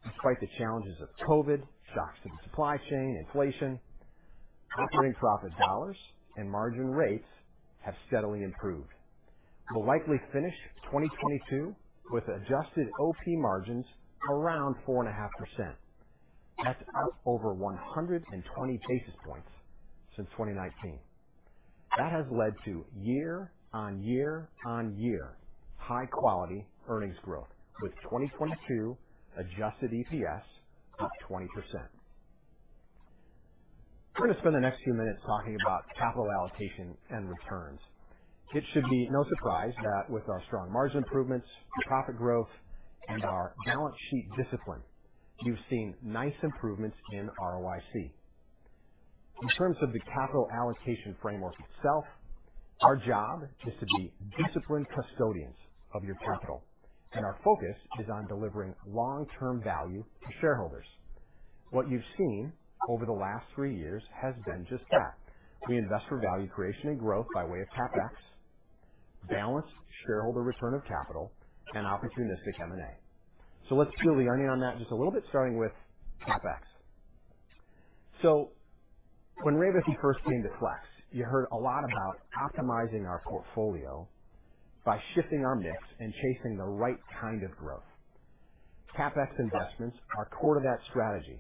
Despite the challenges of COVID, shocks to the supply chain, inflation, operating profit dollars, and margin rates have steadily improved. We'll likely finish 2022 with adjusted OP margins around 4.5%. That's up over 120 basis points since 2019. That has led to year-on-year-on-year high-quality earnings growth with 2022 adjusted EPS of 20%. We're going to spend the next few minutes talking about capital allocation and returns. It should be no surprise that with our strong margin improvements, profit growth, and our balance sheet discipline, you've seen nice improvements in ROIC. In terms of the capital allocation framework itself, our job is to be disciplined custodians of your capital, and our focus is on delivering long-term value to shareholders. What you've seen over the last three years has been just that. We invest for value creation and growth by way of CapEx, balanced shareholder return of capital, and opportunistic M&A. Let's peel the onion on that just a little bit, starting with CapEx. When Revathi first came to Flex, you heard a lot about optimizing our portfolio by shifting our mix and chasing the right kind of growth. CapEx investments are core to that strategy,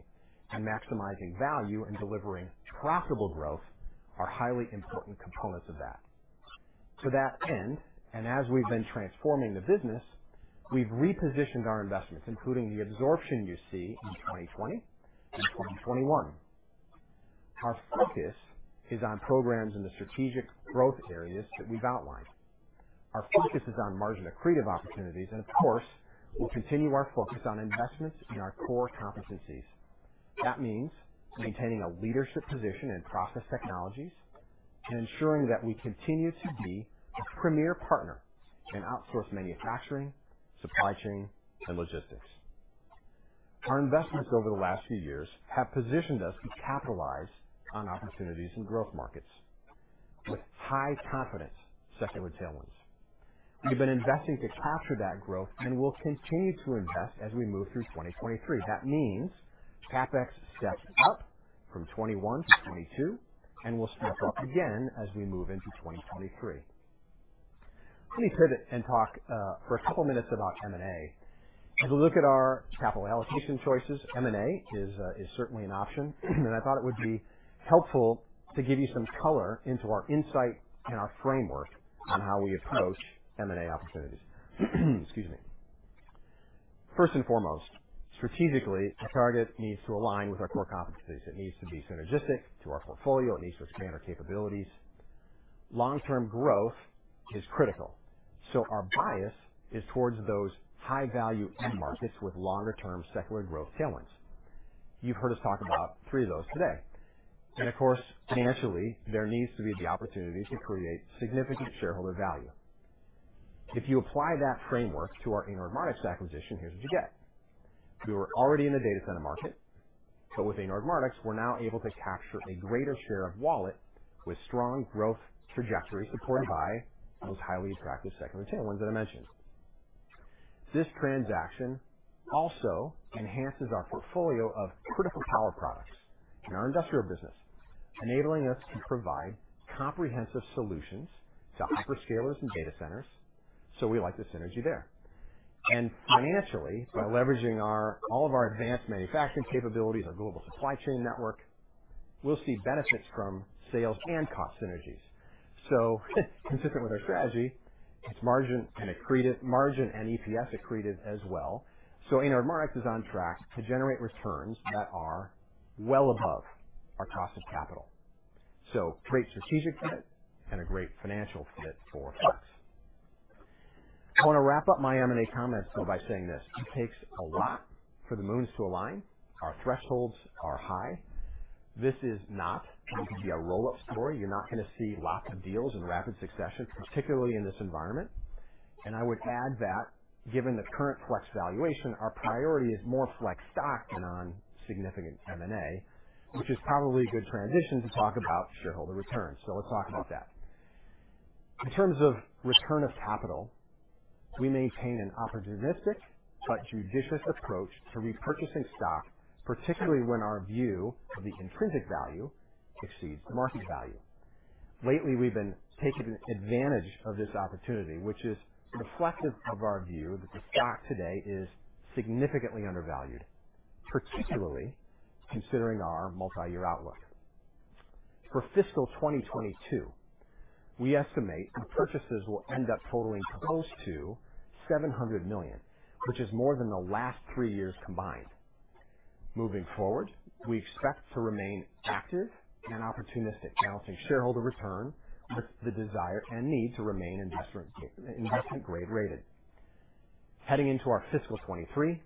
and maximizing value and delivering profitable growth are highly important components of that. To that end, and as we've been transforming the business, we've repositioned our investments, including the absorption you see in 2020 and 2021. Our focus is on programs in the strategic growth areas that we've outlined. Our focus is on margin accretive opportunities, and of course, we'll continue our focus on investments in our core competencies. That means maintaining a leadership position in process technologies and ensuring that we continue to be a premier partner in outsourced manufacturing, supply chain, and logistics. Our investments over the last few years have positioned us to capitalize on opportunities in growth markets with high confidence, secular tailwinds. We've been investing to capture that growth, and we'll continue to invest as we move through 2023. That means CapEx steps up from 2021 to 2022, and we'll step up again as we move into 2023. Let me pivot and talk for a couple of minutes about M&A. As we look at our capital allocation choices, M&A is certainly an option, and I thought it would be helpful to give you some color into our insight and our framework on how we approach M&A opportunities. Excuse me. First and foremost, strategically, a target needs to align with our core competencies. It needs to be synergistic to our portfolio. It needs to expand our capabilities. Long-term growth is critical. So our bias is towards those high-value end markets with longer-term secular growth tailwinds. You've heard us talk about three of those today. And of course, financially, there needs to be the opportunity to create significant shareholder value. If you apply that framework to our Anord Mardix acquisition, here's what you get. We were already in the data center market, but with Anord Mardix, we're now able to capture a greater share of wallet with strong growth trajectory supported by those highly attractive secondary tailwinds that I mentioned. This transaction also enhances our portfolio of critical power products in our Industrial business, enabling us to provide comprehensive solutions to hyperscalers and data centers. So we like the synergy there. And financially, by leveraging all of our advanced manufacturing capabilities, our global supply chain network, we'll see benefits from sales and cost synergies. So consistent with our strategy, it's margin and EPS accretive as well. So Anord Mardix is on track to generate returns that are well above our cost of capital. So great strategic fit and a great financial fit for Flex. I want to wrap up my M&A comments by saying this: it takes a lot for the moons to align. Our thresholds are high. This is not going to be a roll-up story. You're not going to see lots of deals in rapid succession, particularly in this environment. And I would add that given the current Flex valuation, our priority is more Flex stock than on significant M&A, which is probably a good transition to talk about shareholder returns. So let's talk about that. In terms of return of capital, we maintain an opportunistic but judicious approach to repurchasing stock, particularly when our view of the intrinsic value exceeds the market value. Lately, we've been taking advantage of this opportunity, which is reflective of our view that the stock today is significantly undervalued, particularly considering our multi-year outlook. For fiscal 2022, we estimate the purchases will end up totaling close to $700 million, which is more than the last three years combined. Moving forward, we expect to remain active and opportunistic, balancing shareholder return with the desire and need to remain investment-grade rated. Heading into our fiscal 2023,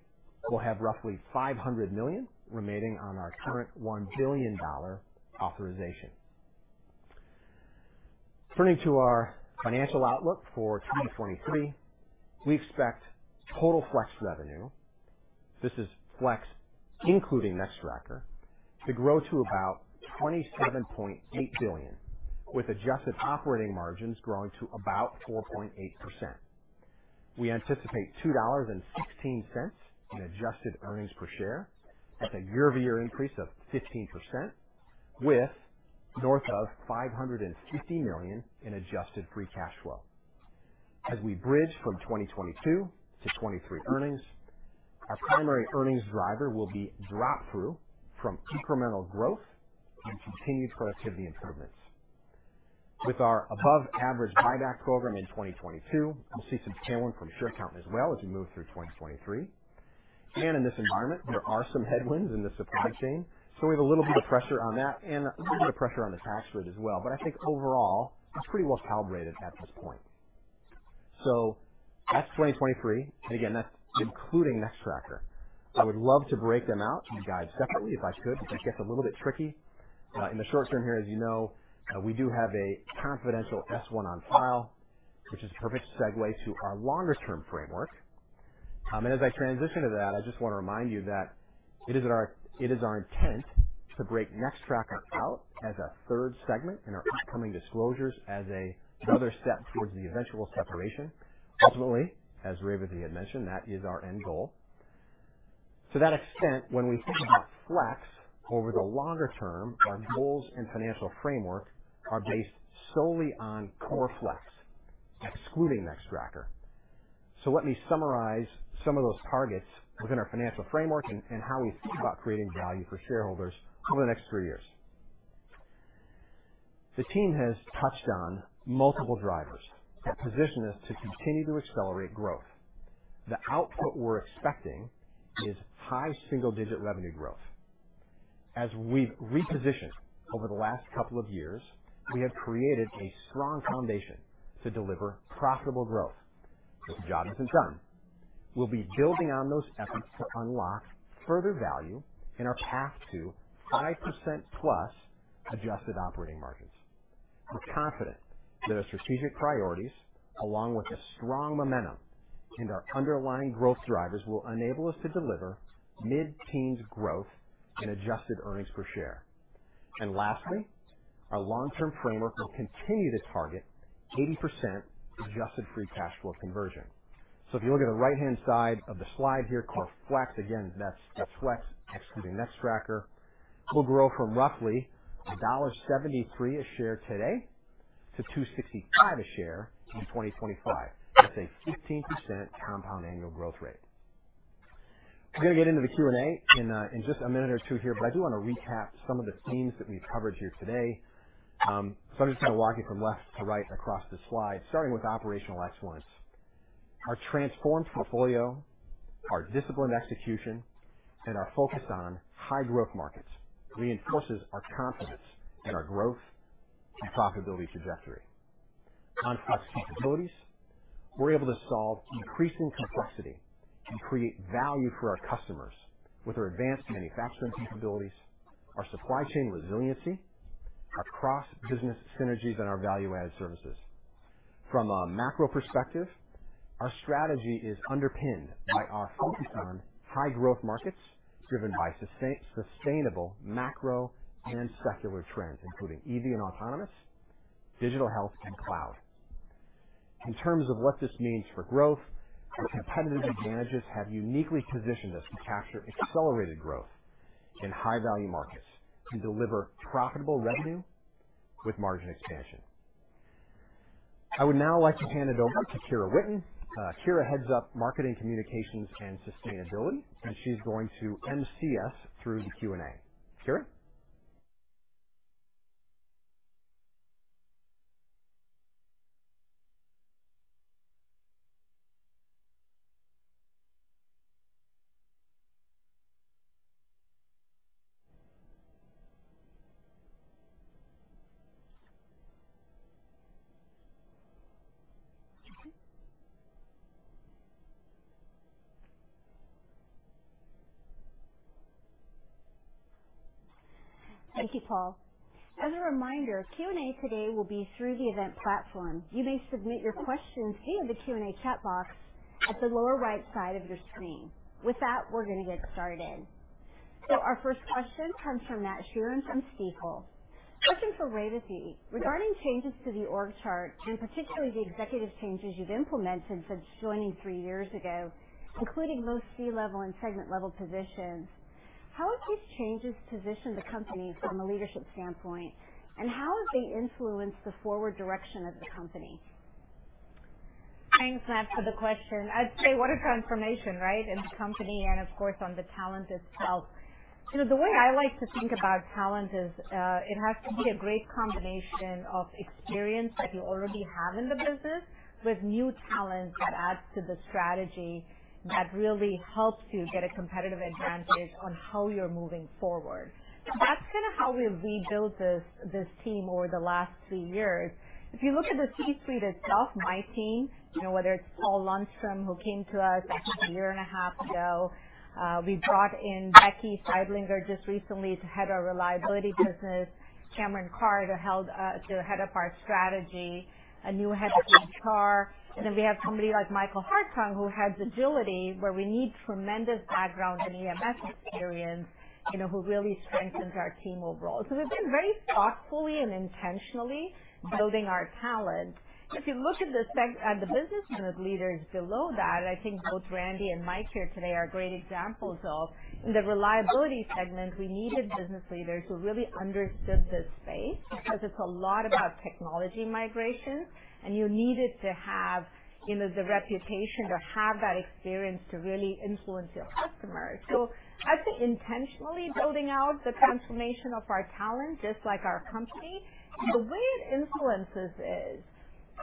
we'll have roughly $500 million remaining on our current $1 billion authorization. Turning to our financial outlook for 2023, we expect total Flex revenue—this is Flex including Nextracker—to grow to about $27.8 billion, with adjusted operating margins growing to about 4.8%. We anticipate $2.16 in adjusted earnings per share. That's a year-over-year increase of 15%, with north of $550 million in adjusted free cash flow. As we bridge from 2022-2023 earnings, our primary earnings driver will be drop-through from incremental growth and continued productivity improvements. With our above-average buyback program in 2022, we'll see some tailwind from share count as well as we move through 2023. And in this environment, there are some headwinds in the supply chain, so we have a little bit of pressure on that and a little bit of pressure on the tax rate as well. But I think overall, it's pretty well calibrated at this point. So that's 2023, and again, that's including Nextracker. I would love to break them out and guide separately if I could, but that gets a little bit tricky. In the short term here, as you know, we do have a confidential S-1 on file, which is a perfect segue to our longer-term framework. And as I transition to that, I just want to remind you that it is our intent to break Nextracker out as a third segment in our upcoming disclosures as another step towards the eventual separation. Ultimately, as Revathi had mentioned, that is our end goal. To that extent, when we think about Flex over the longer term, our goals and financial framework are based solely on Core Flex, excluding Nextracker. So let me summarize some of those targets within our financial framework and how we think about creating value for shareholders over the next three years. The team has touched on multiple drivers that position us to continue to accelerate growth. The output we're expecting is high single-digit revenue growth. As we've repositioned over the last couple of years, we have created a strong foundation to deliver profitable growth. This job isn't done. We'll be building on those efforts to unlock further value in our path to 5%+ adjusted operating margins. We're confident that our strategic priorities, along with a strong momentum and our underlying growth drivers, will enable us to deliver mid-teens growth and adjusted earnings per share. Lastly, our long-term framework will continue to target 80% adjusted free cash flow conversion. If you look at the right-hand side of the slide here, Core Flex, again, that's Flex excluding Nextracker, will grow from roughly $1.73 a share today to $2.65 a share in 2025. That's a 15% compound annual growth rate. We're going to get into the Q&A in just a minute or two here, but I do want to recap some of the themes that we've covered here today. I'm just going to walk you from left to right across the slide, starting with operational excellence. Our transformed portfolio, our disciplined execution, and our focus on high-growth markets reinforces our confidence in our growth and profitability trajectory. On Flex capabilities, we're able to solve increasing complexity and create value for our customers with our advanced manufacturing capabilities, our supply chain resiliency, our cross-business synergies, and our value-added services. From a macro perspective, our strategy is underpinned by our focus on high-growth markets driven by sustainable macro and secular trends, including EV and autonomous, digital health, and cloud. In terms of what this means for growth, our competitive advantages have uniquely positioned us to capture accelerated growth in high-value markets and deliver profitable revenue with margin expansion. I would now like to hand it over to Kyra Whitten. Kyra heads up marketing communications and sustainability, and she's going to emcee us through the Q&A. Kyra? Thank you, Paul. As a reminder, Q&A today will be through the event platform. You may submit your questions via the Q&A chat box at the lower right side of your screen. With that, we're going to get started. So our first question comes from Matt Sheerin from Stifel. Question for Revathi. Regarding changes to the org chart and particularly the executive changes you've implemented since joining three years ago, including both C-level and segment-level positions, how have these changes positioned the company from a leadership standpoint, and how have they influenced the forward direction of the company? Thanks, Matt, for the question. I'd say, what a transformation, right, in the company and, of course, on the talent itself. The way I like to think about talent is it has to be a great combination of experience that you already have in the business with new talent that adds to the strategy that really helps you get a competitive advantage on how you're moving forward. That's kind of how we've rebuilt this team over the last three years. If you look at the C-suite itself, my team, whether it's Paul Lundstrom, who came to us a year and a half ago, we brought in Becky Sidelinger just recently to head our reliability business, Cameron Carr to head up our strategy, a new head of HR, and then we have somebody like Michael Hartung, who heads agility, where we need tremendous background and EMS experience who really strengthens our team overall. So we've been very thoughtfully and intentionally building our talent. If you look at the business leaders below that, I think both Randy and Mike here today are great examples of, in the Reliability segment, we needed business leaders who really understood this space because it's a lot about technology migrations, and you needed to have the reputation to have that experience to really influence your customers. So I think intentionally building out the transformation of our talent, just like our company, and the way it influences is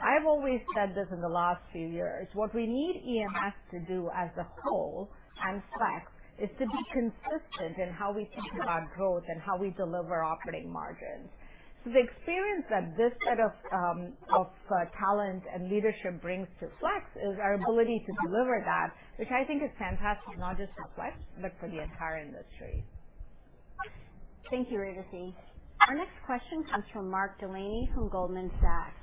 I've always said this in the last few years. What we need EMS to do as a whole and Flex is to be consistent in how we think about growth and how we deliver operating margins. So the experience that this set of talent and leadership brings to Flex is our ability to deliver that, which I think is fantastic, not just for Flex, but for the entire industry. Thank you, Revathi. Our next question comes from Mark Delaney from Goldman Sachs.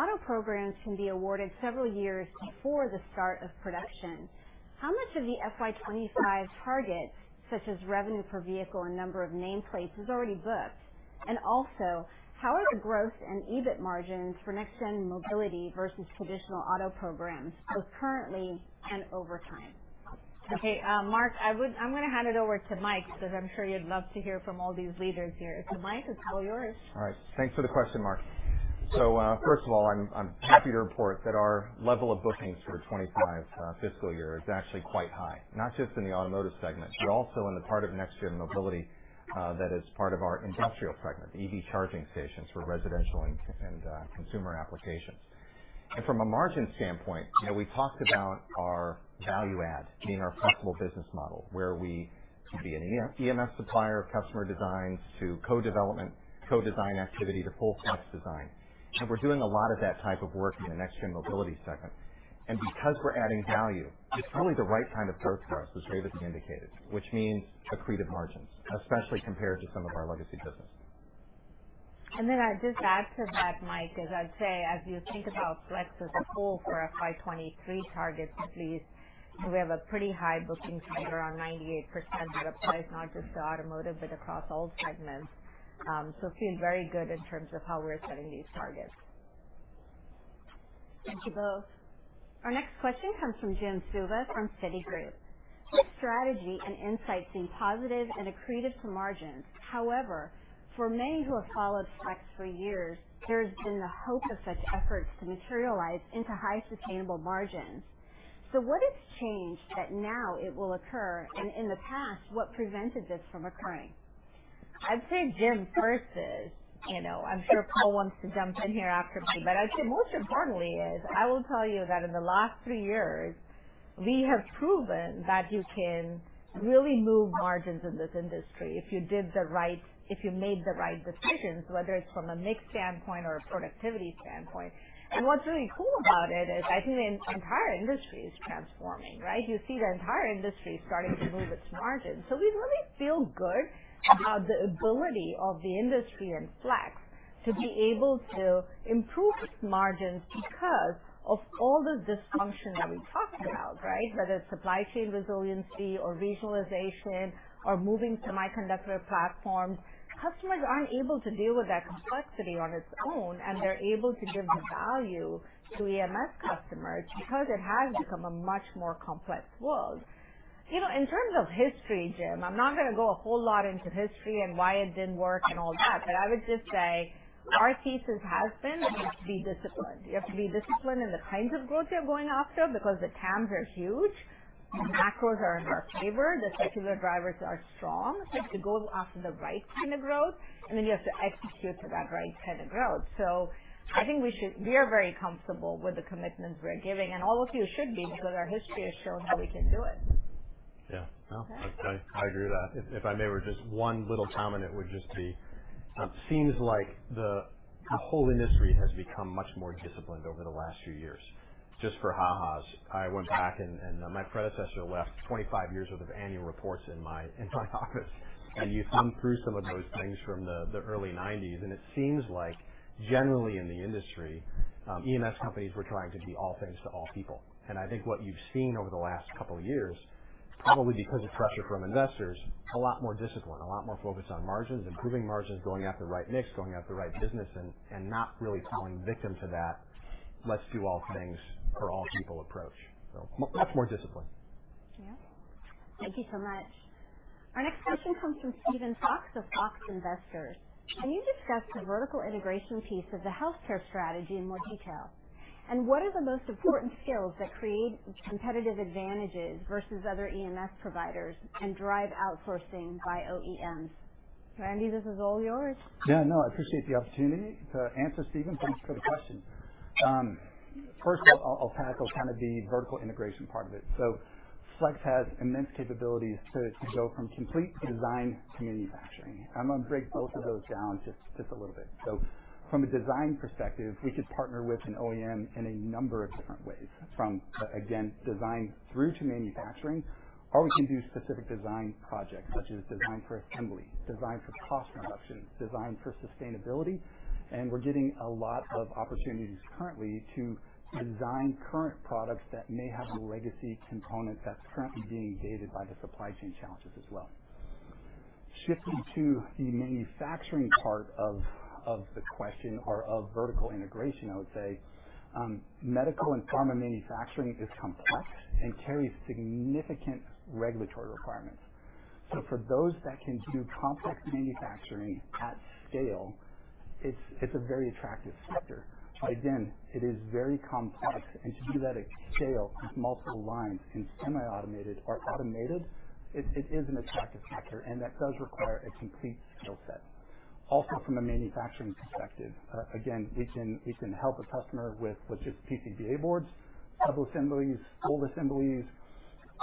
Auto programs can be awarded several years before the start of production. How much of the FY 2025 target, such as revenue per vehicle and number of nameplates, is already booked? And also, how are the gross and EBIT margins for next-gen mobility versus traditional auto programs, both currently and over time? Okay, Mark, I'm going to hand it over to Mike because I'm sure you'd love to hear from all these leaders here. So Mike, it's all yours. All right. Thanks for the question, Mark. So first of all, I'm happy to report that our level of bookings for 2025 fiscal year is actually quite high, not just in the automotive segment, but also in the part of next-gen mobility that is part of our industrial segment, the EV charging stations for residential and consumer applications. And from a margin standpoint, we talked about our value-add being our flexible business model, where we could be an EMS supplier of customer designs to co-development, co-design activity to full Flex design. And we're doing a lot of that type of work in the next-gen mobility segment. And because we're adding value, it's really the right kind of growth for us, as Revathi indicated, which means accretive margins, especially compared to some of our legacy business. And then I'd just add to that, Mike, as I'd say, as you think about Flex as a whole for FY 2023 targets, at least, we have a pretty high booking figure on 98% that applies not just to automotive, but across all segments. So we feel very good in terms of how we're setting these targets. Thank you both. Our next question comes from Jim Suva from Citigroup. The strategy and insights seem positive and accretive to margins. However, for many who have followed Flex for years, there has been the hope of such efforts to materialize into high sustainable margins. So what has changed that now it will occur, and in the past, what prevented this from occurring? I'd say, Jim, first is. I'm sure Paul wants to jump in here after me, but I'd say most importantly is I will tell you that in the last three years, we have proven that you can really move margins in this industry if you did the right, if you made the right decisions, whether it's from a mixed standpoint or a productivity standpoint. And what's really cool about it is I think the entire industry is transforming, right? You see the entire industry starting to move its margins. So we really feel good about the ability of the industry and Flex to be able to improve its margins because of all the dysfunction that we talked about, right? Whether it's supply chain resiliency or regionalization or moving semiconductor platforms, customers aren't able to deal with that complexity on their own, and they're able to give value to EMS customers because it has become a much more complex world. In terms of history, Jim, I'm not going to go a whole lot into history and why it didn't work and all that, but I would just say our thesis has been you have to be disciplined. You have to be disciplined in the kinds of growth you're going after because the TAMs are huge, the macros are in our favor, the secular drivers are strong. You have to go after the right kind of growth, and then you have to execute for that right kind of growth. So I think we are very comfortable with the commitments we're giving, and all of you should be because our history has shown how we can do it. Yeah. No, I agree with that. If I may, just one little comment, it would just be it seems like the whole industry has become much more disciplined over the last few years. Just for ha-ha's, I went back and my predecessor left 25 years' worth of annual reports in my office, and you thumb through some of those things from the early 1990s, and it seems like generally in the industry, EMS companies were trying to be all things to all people, and I think what you've seen over the last couple of years, probably because of pressure from investors, a lot more discipline, a lot more focus on margins, improving margins, going after the right mix, going after the right business, and not really falling victim to that let's-do-all-things-for-all-people approach, so much more discipline. Yeah. Thank you so much. Our next question comes from Stephen Fox of Fox Advisors. Can you discuss the vertical integration piece of the healthcare strategy in more detail? And what are the most important skills that create competitive advantages versus other EMS providers and drive outsourcing by OEMs? Randy, this is all yours. Yeah, no, I appreciate the opportunity to answer, Stephen. Thanks for the question. First, I'll tackle kind of the vertical integration part of it. So Flex has immense capabilities to go from complete design to manufacturing. I'm going to break both of those down just a little bit. So from a design perspective, we could partner with an OEM in a number of different ways, from, again, design through to manufacturing, or we can do specific design projects such as design for assembly, design for cost reduction, design for sustainability, and we're getting a lot of opportunities currently to design current products that may have a legacy component that's currently being dated by the supply chain challenges as well. Shifting to the manufacturing part of the question or of vertical integration, I would say medical and pharma manufacturing is complex and carries significant regulatory requirements. So for those that can do complex manufacturing at scale, it's a very attractive sector. But again, it is very complex, and to do that at scale with multiple lines in semi-automated or automated, it is an attractive sector, and that does require a complete skill set. Also, from a manufacturing perspective, again, we can help a customer with what's just PCBA boards, subassemblies, full assemblies,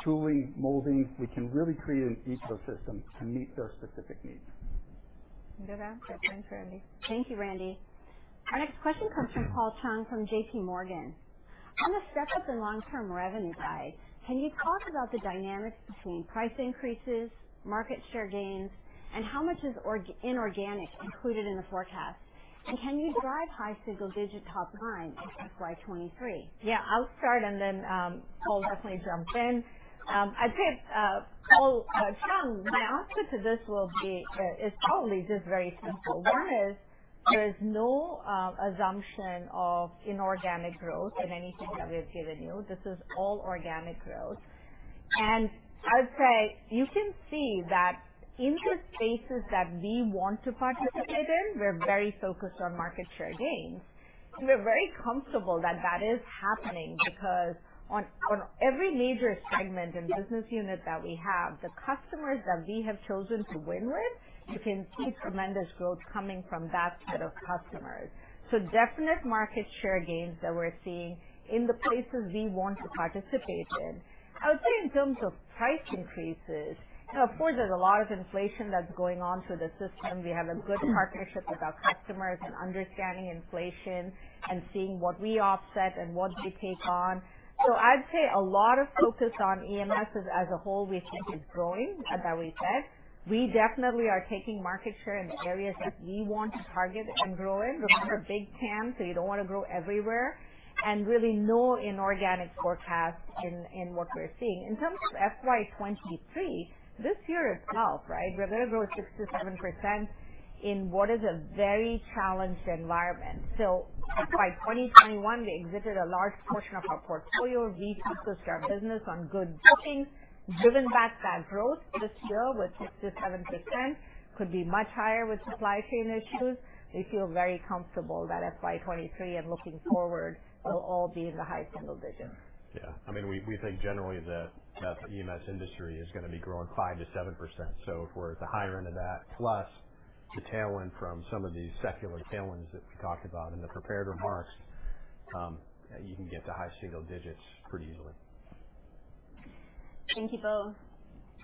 tooling, molding. We can really create an ecosystem to meet their specific needs. Thank you, Randy. Our next question comes from Paul Chung from JPMorgan. On the step-up in long-term revenue side, can you talk about the dynamics between price increases, market share gains, and how much is inorganic included in the forecast? And can you drive high single-digit top line in FY 2023? Yeah, I'll start, and then Paul will definitely jump in. I'd say, Paul Chung, my answer to this will be it's probably just very simple. One is there is no assumption of inorganic growth in anything that we've given you. This is all organic growth. And I would say you can see that in the spaces that we want to participate in, we're very focused on market share gains. And we're very comfortable that that is happening because on every major segment and business unit that we have, the customers that we have chosen to win with, you can see tremendous growth coming from that set of customers. So definite market share gains that we're seeing in the places we want to participate in. I would say in terms of price increases, of course, there's a lot of inflation that's going on through the system. We have a good partnership with our customers and understanding inflation and seeing what we offset and what we take on. So I'd say a lot of focus on EMS as a whole, we think, is growing at that we said. We definitely are taking market share in areas that we want to target and grow in. Remember, big TAM, so you don't want to grow everywhere, and really no inorganic forecast in what we're seeing. In terms of FY 2023, this year itself, right, we're going to grow 6%-7% in what is a very challenged environment. So by 2021, we exited a large portion of our portfolio. We focused our business on good bookings. Driven back that growth, the scale with 6%-7% could be much higher with supply chain issues. We feel very comfortable that FY 2023 and looking forward will all be in the high single-digits. Yeah. I mean, we think generally that the EMS industry is going to be growing 5%-7%. So if we're at the higher end of that, plus the tailwind from some of these secular tailwinds that we talked about in the prepared remarks, you can get to high single digits pretty easily. Thank you both.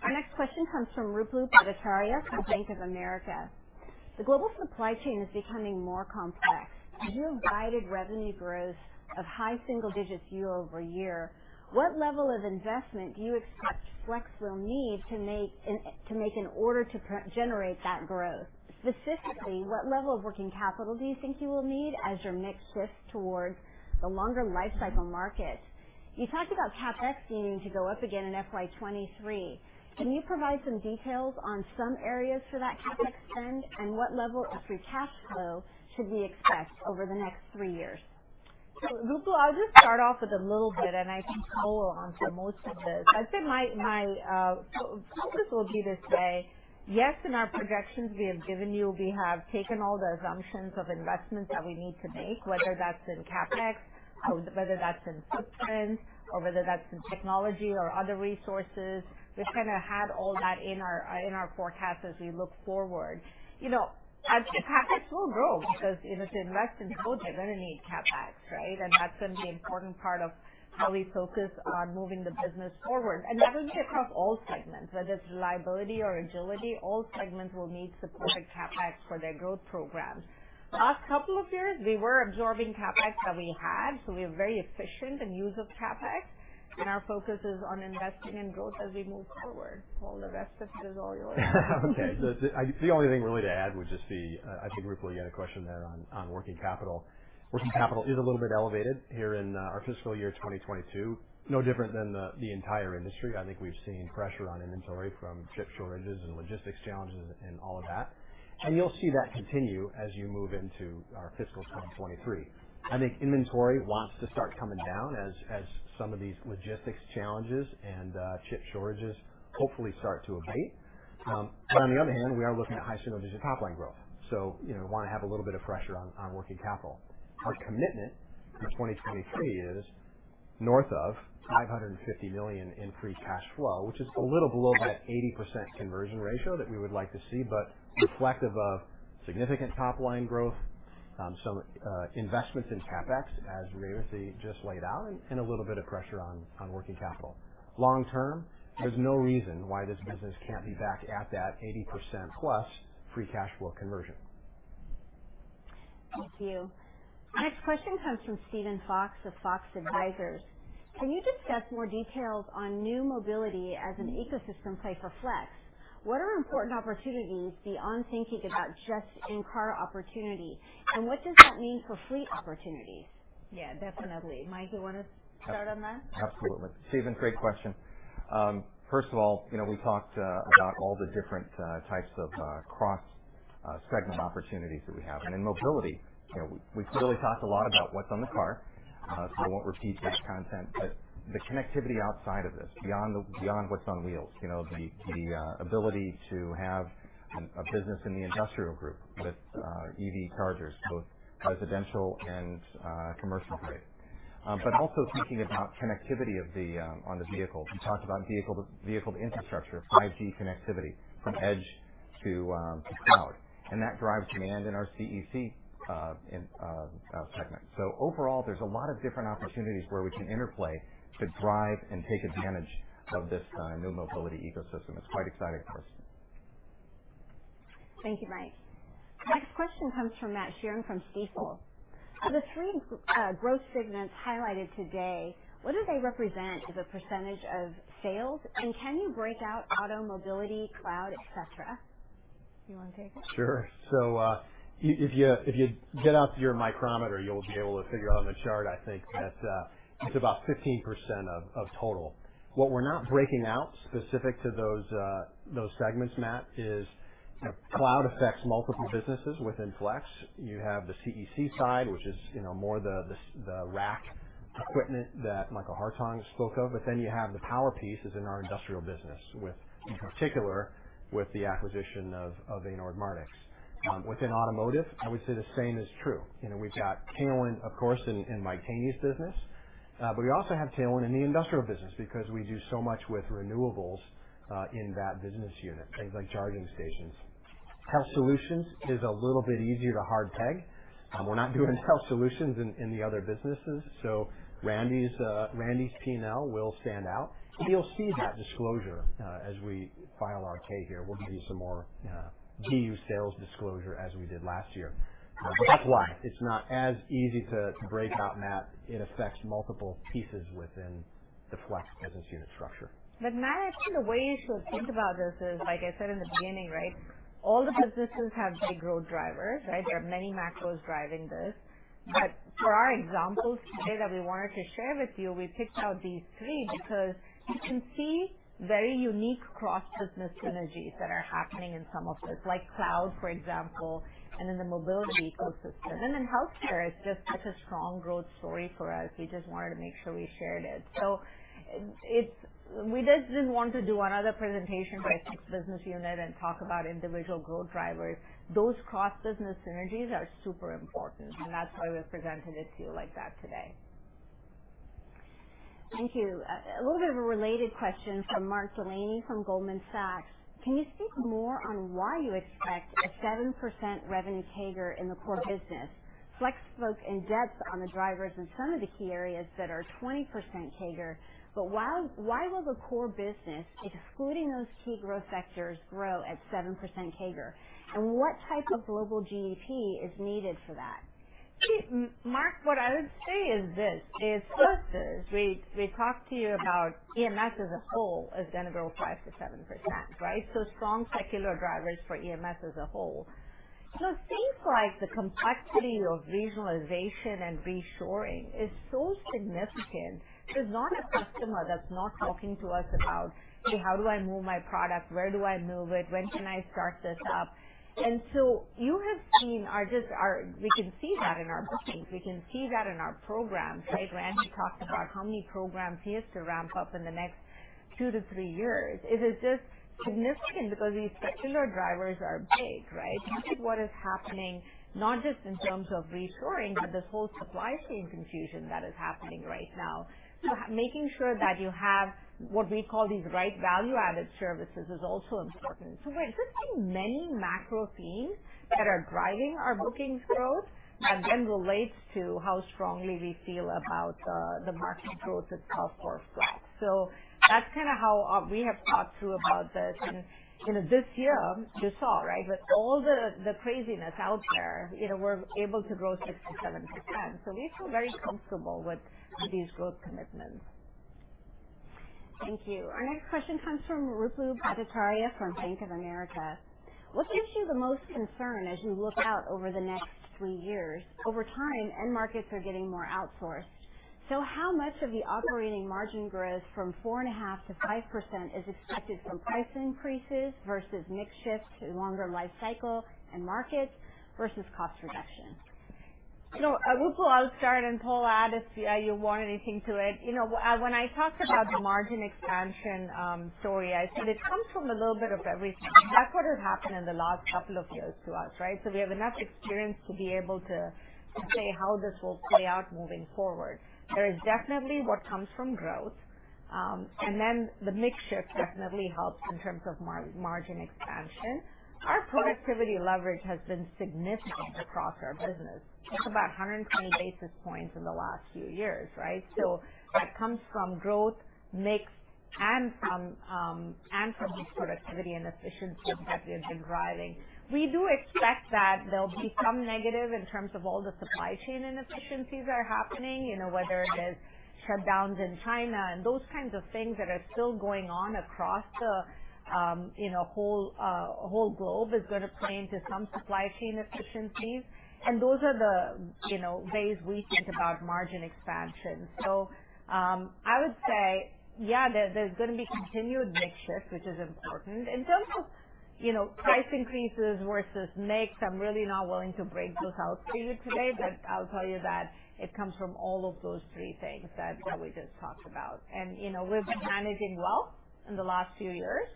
Our next question comes from Ruplu Bhattacharya from Bank of America. The global supply chain is becoming more complex. You have guided revenue growth of high single digits year over year. What level of investment do you expect Flex will need to make in order to generate that growth? Specifically, what level of working capital do you think you will need as your mix shifts towards the longer lifecycle market? You talked about CapEx needing to go up again in FY 2023. Can you provide some details on some areas for that CapEx spend, and what level of free cash flow should we expect over the next three years? Ruplu, I'll just start off with a little bit, and I think Paul will answer most of this. I'd say my focus will be to say, yes, in our projections we have given you, we have taken all the assumptions of investments that we need to make, whether that's in CapEx, whether that's in footprint, or whether that's in technology or other resources. We've kind of had all that in our forecast as we look forward. CapEx will grow because to invest in growth, you're going to need CapEx, right? And that will be across all segments, whether it's reliability or agility, all segments will need supported CapEx for their growth programs. Last couple of years, we were absorbing CapEx that we had, so we were very efficient in use of CapEx, and our focus is on investing in growth as we move forward. Paul, the rest of it is all yours. Okay. The only thing really to add would just be, I think Ruplu, you had a question there on working capital. Working capital is a little bit elevated here in our fiscal year 2022, no different than the entire industry. I think we've seen pressure on inventory from chip shortages and logistics challenges and all of that. And you'll see that continue as you move into our fiscal 2023. I think inventory wants to start coming down as some of these logistics challenges and chip shortages hopefully start to abate. But on the other hand, we are looking at high single-digit top line growth. So we want to have a little bit of pressure on working capital. Our commitment in 2023 is north of $550 million in free cash flow, which is a little below that 80% conversion ratio that we would like to see, but reflective of significant top line growth, some investments in CapEx, as Revathi just laid out, and a little bit of pressure on working capital. Long term, there's no reason why this business can't be back at that 80%+ free cash flow conversion. Thank you. Our next question comes from Stephen Fox of Fox Advisors. Can you discuss more details on new mobility as an ecosystem play for Flex? What are important opportunities beyond thinking about just in-car opportunity? And what does that mean for fleet opportunities? Yeah, definitely. Mike, do you want to start on that? Absolutely. Stephen, great question. First of all, we talked about all the different types of cross-segment opportunities that we have. And in mobility, we've clearly talked a lot about what's on the car. So I won't repeat that content. But the connectivity outside of this, beyond what's on wheels, the ability to have a business in the industrial group with EV chargers, both residential and commercial grade. But also thinking about connectivity on the vehicles. We talked about vehicle-to-infrastructure, 5G connectivity from edge to cloud. And that drives demand in our CEC segment. So overall, there's a lot of different opportunities where we can interplay to drive and take advantage of this new mobility ecosystem. It's quite exciting for us. Thank you, Mike. Our next question comes from Matt Sheerin from Stifel. For the three growth segments highlighted today, what do they represent as a percentage of sales? And can you break out auto, mobility, cloud, etc.? Do you want to take it? Sure. So if you get out your micrometer, you'll be able to figure out on the chart, I think, that it's about 15% of total. What we're not breaking out specific to those segments, Matt, is cloud affects multiple businesses within Flex. You have the CEC side, which is more the rack equipment that Michael Hartung spoke of. But then you have the power pieces in our Industrial business, in particular with the acquisition of Anord Mardix. Within Automotive, I would say the same is true. We've got tailwind, of course, in Mike Keaney's business, but we also have tailwind in the Industrial business because we do so much with renewables in that business unit, things like charging stations. Health Solutions is a little bit easier to hard peg. We're not doing Health Solutions in the other businesses. So Randy's P&L will stand out. You'll see that disclosure as we file our 10-K here. We'll give you some more BU sales disclosure as we did last year. That's why it's not as easy to break out, Matt. It affects multiple pieces within the Flex business unit structure. But Matt, I think the way you should think about this is, like I said in the beginning, right? All the businesses have big growth drivers, right? There are many macros driving this. But for our examples today that we wanted to share with you, we picked out these three because you can see very unique cross-business synergies that are happening in some of this, like cloud, for example, and in the mobility ecosystem. And then healthcare is just such a strong growth story for us. We just wanted to make sure we shared it. So we didn't want to do another presentation for a Flex business unit and talk about individual growth drivers. Those cross-business synergies are super important. And that's why we've presented it to you like that today. Thank you. A little bit of a related question from Mark Delaney from Goldman Sachs. Can you speak more on why you expect a 7% revenue CAGR in the Core business? Flex spoke in depth on the drivers in some of the key areas that are 20% CAGR, but why will the Core business, excluding those key growth sectors, grow at 7% CAGR? And what type of global GDP is needed for that? Mark, what I would say is this: forces, we talked to you about EMS as a whole is going to grow 5%-7%, right? So strong secular drivers for EMS as a whole. So things like the complexity of regionalization and reshoring is so significant. There's not a customer that's not talking to us about, "Hey, how do I move my product? Where do I move it? When can I start this up?" And so you have seen our. We can see that in our bookings. We can see that in our programs, right? Randy talked about how many programs he has to ramp up in the next two to three years. It is just significant because these secular drivers are big, right? This is what is happening, not just in terms of reshoring, but this whole supply chain confusion that is happening right now. So making sure that you have what we call these right value-added services is also important. So we're just seeing many macro themes that are driving our bookings growth that then relates to how strongly we feel about the market growth itself for Flex. So that's kind of how we have thought through about this. And this year, you saw, right, with all the craziness out there, we're able to grow 6%-7%. So we feel very comfortable with these growth commitments. Thank you. Our next question comes from Ruplu Bhattacharya from Bank of America. What gives you the most concern as you look out over the next three years? Over time, end markets are getting more outsourced. So how much of the operating margin growth from 4.5%-5% is expected from price increases versus mix shift, longer lifecycle, and markets versus cost reduction? Ruplu, I'll start, and Paul, add if you want anything to it. When I talked about the margin expansion story, I said it comes from a little bit of everything. That's what has happened in the last couple of years to us, right? So we have enough experience to be able to say how this will play out moving forward. There is definitely what comes from growth. And then the mix shift definitely helps in terms of margin expansion. Our productivity leverage has been significant across our business. It's about 120 basis points in the last few years, right? So that comes from growth mix and from the productivity and efficiencies that we have been driving. We do expect that there'll be some negative in terms of all the supply chain inefficiencies that are happening, whether it is shutdowns in China. And those kinds of things that are still going on across the whole globe is going to play into some supply chain efficiencies. And those are the ways we think about margin expansion. So I would say, yeah, there's going to be continued mix shift, which is important. In terms of price increases versus mix, I'm really not willing to break those out for you today, but I'll tell you that it comes from all of those three things that we just talked about. And we've been managing well in the last few years,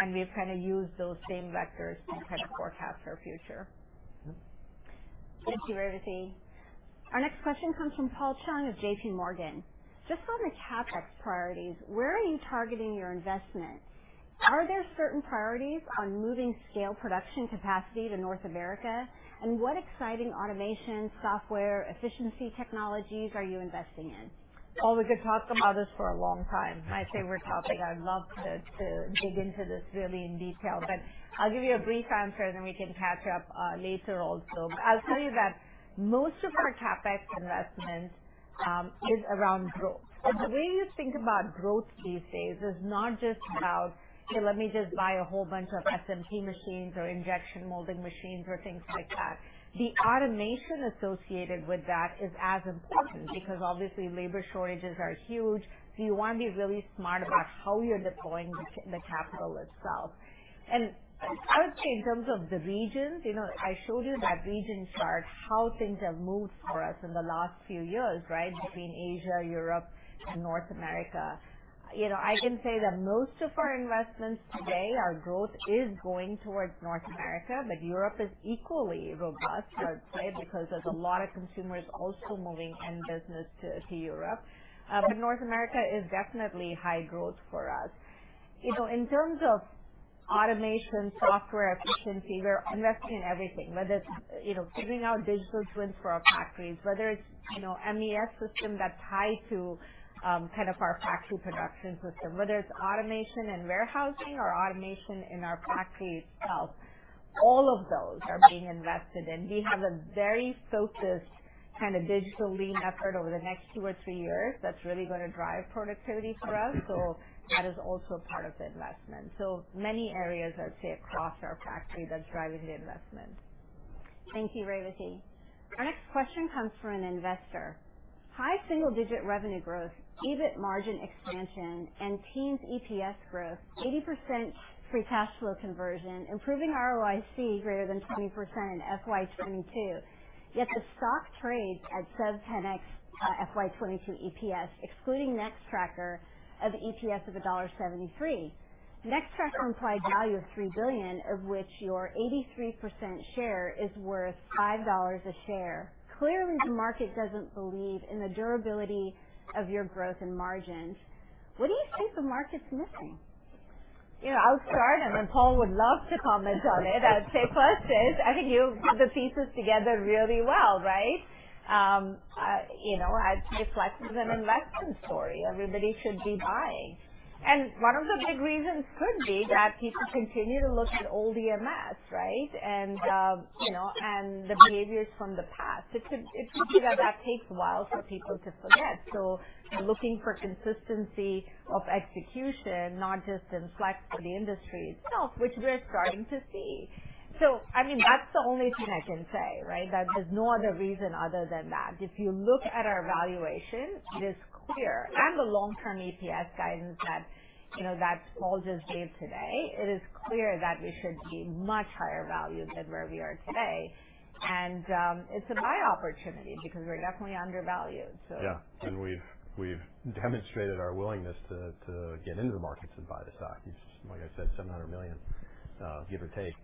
and we've kind of used those same vectors to kind of forecast our future. Thank you, Revathi. Our next question comes from Paul Chung of JPMorgan. Just on the CapEx priorities, where are you targeting your investment? Are there certain priorities on moving scale production capacity to North America? And what exciting automation, software, efficiency technologies are you investing in? Paul, we could talk about this for a long time. My favorite topic. I'd love to dig into this really in detail, but I'll give you a brief answer, and then we can catch up later also. I'll tell you that most of our CapEx investment is around growth. The way you think about growth these days is not just about, "Hey, let me just buy a whole bunch of SMT machines or injection molding machines or things like that." The automation associated with that is as important because, obviously, labor shortages are huge. So you want to be really smart about how you're deploying the capital itself. And I would say in terms of the regions, I showed you that region chart, how things have moved for us in the last few years, right, between Asia, Europe, and North America. I can say that most of our investments today, our growth is going towards North America, but Europe is equally robust, I would say, because there's a lot of consumers also moving end business to Europe. But North America is definitely high growth for us. In terms of automation, software efficiency, we're investing in everything, whether it's figuring out digital twins for our factories, whether it's MES system that's tied to kind of our factory production system, whether it's automation in warehousing or automation in our factory itself. All of those are being invested in. We have a very focused kind of digital lean effort over the next two or three years that's really going to drive productivity for us. So that is also part of the investment. So many areas, I'd say, across our factory that's driving the investment. Thank you, Revathi. Our next question comes from an investor. High single-digit revenue growth, EBIT margin expansion, and teens EPS growth, 80% free cash flow conversion, improving ROIC greater than 20% in FY 2022, yet the stock trades at FY 2022 EPS, excluding Nextracker of EPS of $1.73. Nextracker implied value of $3 billion, of which your 83% share is worth $5 a share. Clearly, the market doesn't believe in the durability of your growth and margins. What do you think the market's missing? I'll start, and then Paul would love to comment on it. I'd say, first is, I think you put the pieces together really well, right? I'd say Flex is an investment story. Everybody should be buying, and one of the big reasons could be that people continue to look at old EMS, right, and the behaviors from the past. It could be that that takes a while for people to forget, so looking for consistency of execution, not just in Flex, but the industry itself, which we're starting to see, so, I mean, that's the only thing I can say, right? There's no other reason other than that. If you look at our valuation, it is clear, and the long-term EPS guidance that Paul just gave today, it is clear that we should be much higher valued than where we are today. It's a buy opportunity because we're definitely undervalued, so. Yeah. And we've demonstrated our willingness to get into the markets and buy the stock. Like I said, $700 million, give or take,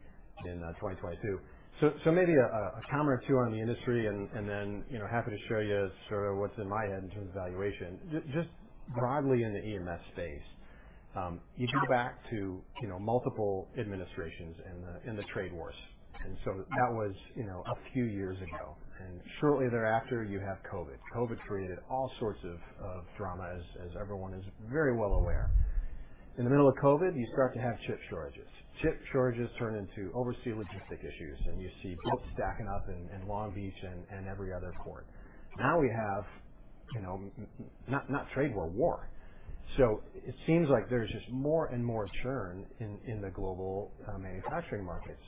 in 2022. So maybe a comment or two on the industry, and then happy to share you sort of what's in my head in terms of valuation. Just broadly in the EMS space, you go back to multiple administrations and the trade wars. And so that was a few years ago. And shortly thereafter, you have COVID. COVID created all sorts of drama, as everyone is very well aware. In the middle of COVID, you start to have chip shortages. Chip shortages turn into overseas logistic issues, and you see boats stacking up in Long Beach and every other port. Now we have not trade war, war. So it seems like there's just more and more churn in the global manufacturing markets.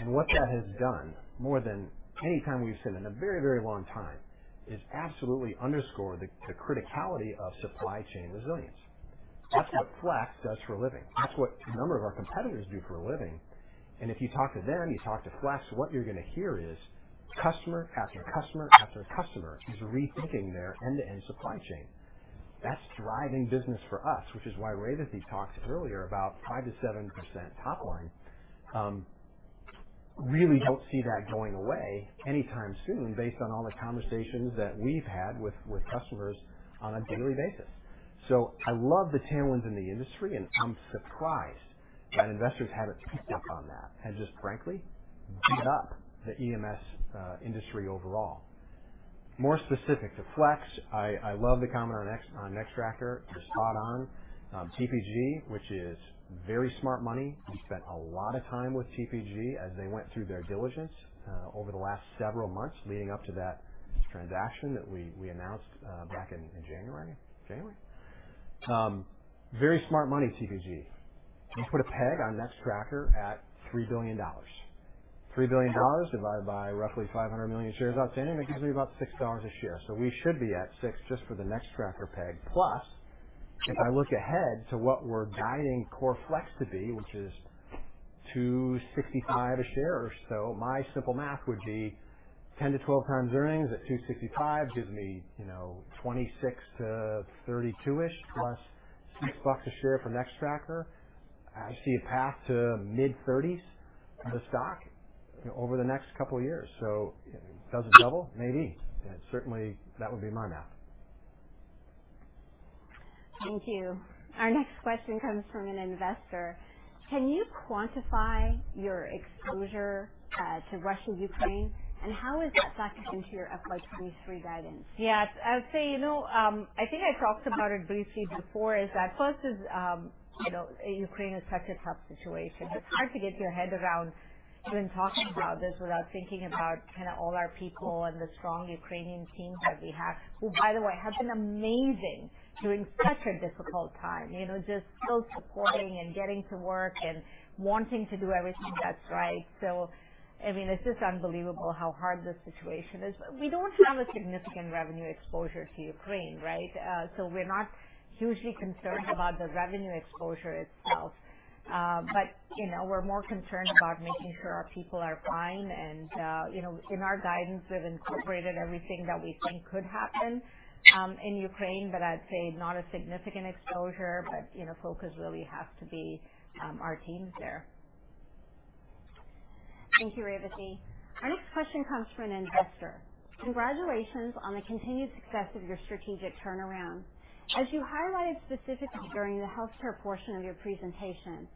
And what that has done, more than any time we've seen in a very, very long time, is absolutely underscore the criticality of supply chain resilience. That's what Flex does for a living. That's what a number of our competitors do for a living. And if you talk to them, you talk to Flex, what you're going to hear is customer after customer after customer is rethinking their end-to-end supply chain. That's driving business for us, which is why Revathi talked earlier about 5%-7% top line. Really don't see that going away anytime soon based on all the conversations that we've had with customers on a daily basis. So I love the tailwinds in the industry, and I'm surprised that investors haven't picked up on that and just frankly beat up the EMS industry overall. More specific to Flex, I love the comment on Nextracker. You're spot on TPG, which is very smart money. We spent a lot of time with TPG as they went through their diligence over the last several months leading up to that transaction that we announced back in January. Very smart money, TPG. We put a peg on Nextracker at $3 billion. $3 billion divided by roughly 500 million shares outstanding, that gives me about $6 a share. So we should be at $6 just for the Nextracker peg. Plus, if I look ahead to what we're guiding Core Flex to be, which is $265 a share or so, my simple math would be 10x-12x earnings at 265 gives me 26 to 32-ish+6 bucks a share for Nextracker. I see a path to mid-30s on the stock over the next couple of years. So does it double? Maybe. Certainly, that would be my math. Thank you. Our next question comes from an investor. Can you quantify your exposure to Russia, Ukraine, and how is that factored into your FY 2023 guidance? Yeah. I would say, I think I talked about it briefly before, is that first, Ukraine is such a tough situation. It's hard to get your head around when talking about this without thinking about kind of all our people and the strong Ukrainian teams that we have, who, by the way, have been amazing during such a difficult time, just still supporting and getting to work and wanting to do everything that's right. So, I mean, it's just unbelievable how hard the situation is. We don't have a significant revenue exposure to Ukraine, right? So we're not hugely concerned about the revenue exposure itself. But we're more concerned about making sure our people are fine. And in our guidance, we've incorporated everything that we think could happen in Ukraine, but I'd say not a significant exposure, but focus really has to be our teams there. Thank you, Revathi. Our next question comes from an investor. Congratulations on the continued success of your strategic turnaround. As you highlighted specifically during the healthcare portion of your presentation,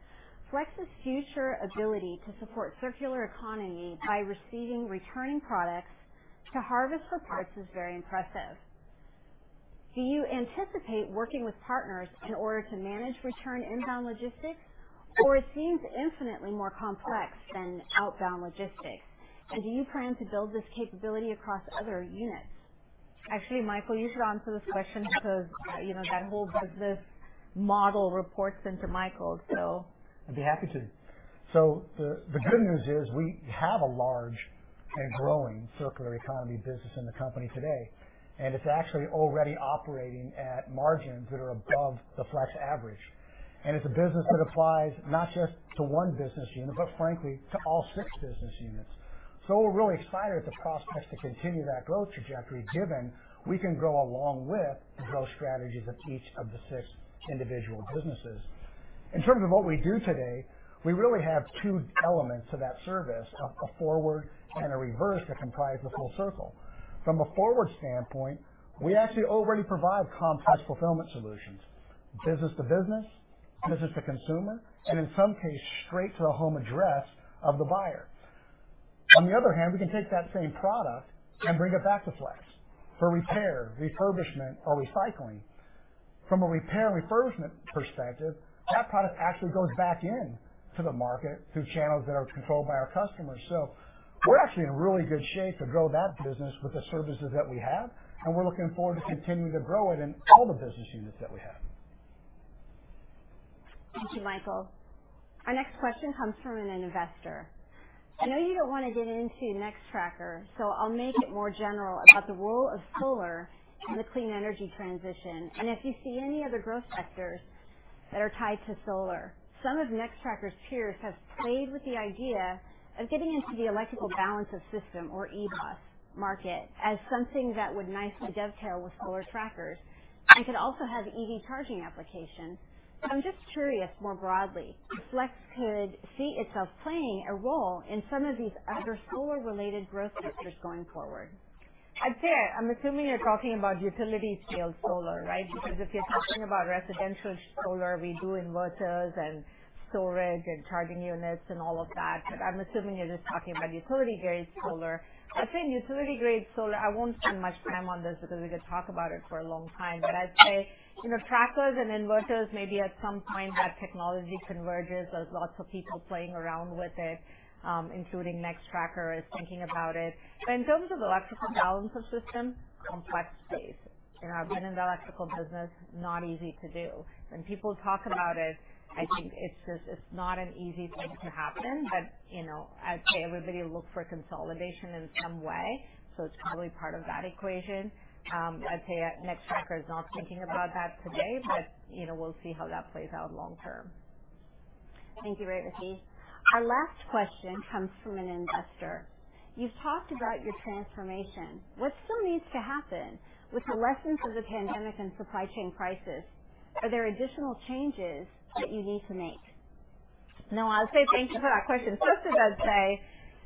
Flex's future ability to support circular economy by receiving returning products to harvest for parts is very impressive. Do you anticipate working with partners in order to manage return inbound logistics, or it seems infinitely more complex than outbound logistics? And do you plan to build this capability across other units? Actually, Michael, you should answer this question because that whole business model reports into Michael, so. I'd be happy to. So the good news is we have a large and growing circular economy business in the company today, and it's actually already operating at margins that are above the Flex average, and it's a business that applies not just to one business unit, but frankly, to all six business units, so we're really excited at the prospects to continue that growth trajectory given we can grow along with the growth strategies of each of the six individual businesses. In terms of what we do today, we really have two elements to that service: a forward and a reverse that comprise the full circle. From a forward standpoint, we actually already provide complex fulfillment solutions: business to business, business to consumer, and in some cases, straight to the home address of the buyer. On the other hand, we can take that same product and bring it back to Flex for repair, refurbishment, or recycling. From a repair and refurbishment perspective, that product actually goes back into the market through channels that are controlled by our customers. So we're actually in really good shape to grow that business with the services that we have, and we're looking forward to continuing to grow it in all the business units that we have. Thank you, Michael. Our next question comes from an investor. I know you don't want to get into Nextracker, so I'll make it more general about the role of solar in the clean energy transition, and if you see any other growth sectors that are tied to solar, some of Nextracker's peers have played with the idea of getting into the electrical balance of system or EBOS market as something that would nicely dovetail with solar trackers and could also have EV charging applications, so I'm just curious more broadly, if Flex could see itself playing a role in some of these other solar-related growth sectors going forward. I'd say, I'm assuming you're talking about utility-scale solar, right? Because if you're talking about residential solar, we do inverters and storage and charging units and all of that. But I'm assuming you're just talking about utility-grade solar. I'd say in utility-grade solar, I won't spend much time on this because we could talk about it for a long time. But I'd say trackers and inverters maybe at some point that technology converges. There's lots of people playing around with it, including Nextracker is thinking about it. But in terms of electrical balance of system, complex space. I've been in the electrical business. Not easy to do. When people talk about it, I think it's just, it's not an easy thing to happen. But I'd say everybody looks for consolidation in some way. So it's probably part of that equation. I'd say Nextracker is not thinking about that today, but we'll see how that plays out long-term. Thank you, Revathi. Our last question comes from an investor. You've talked about your transformation. What still needs to happen with the lessons of the pandemic and supply chain crisis? Are there additional changes that you need to make? No, I'll say thank you for that question. First, I'd say,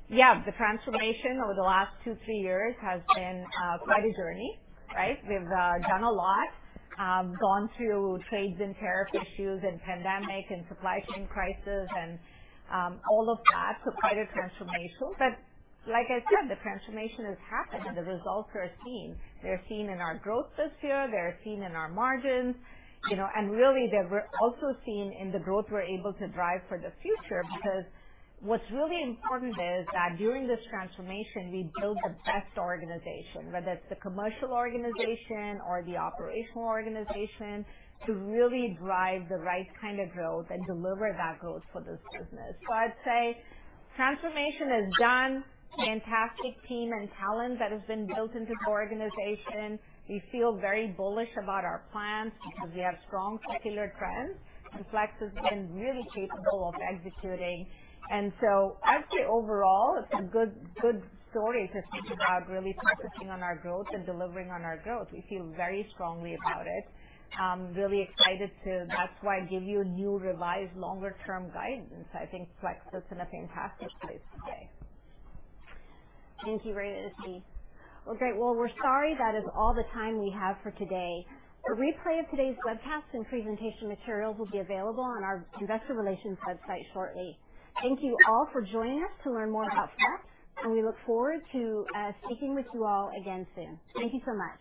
yeah, the transformation over the last two, three years has been quite a journey, right? We've done a lot, gone through trades and tariff issues and pandemic and supply chain crisis and all of that. So quite a transformation. But like I said, the transformation has happened and the results are seen. They're seen in our growth this year. They're seen in our margins. And really, they're also seen in the growth we're able to drive for the future because what's really important is that during this transformation, we build the best organization, whether it's the commercial organization or the operational organization, to really drive the right kind of growth and deliver that growth for this business. So I'd say transformation is done. Fantastic team and talent that has been built into the organization. We feel very bullish about our plans because we have strong secular trends and Flex has been really capable of executing, and so I'd say overall, it's a good story to think about really focusing on our growth and delivering on our growth. We feel very strongly about it. Really excited to, that's why I give you new revised longer-term guidance. I think Flex is in a fantastic place today. Thank you, Revathi. Well, great. Well, we're sorry that is all the time we have for today. A replay of today's webcast and presentation materials will be available on our investor relations website shortly. Thank you all for joining us to learn more about Flex, and we look forward to speaking with you all again soon. Thank you so much.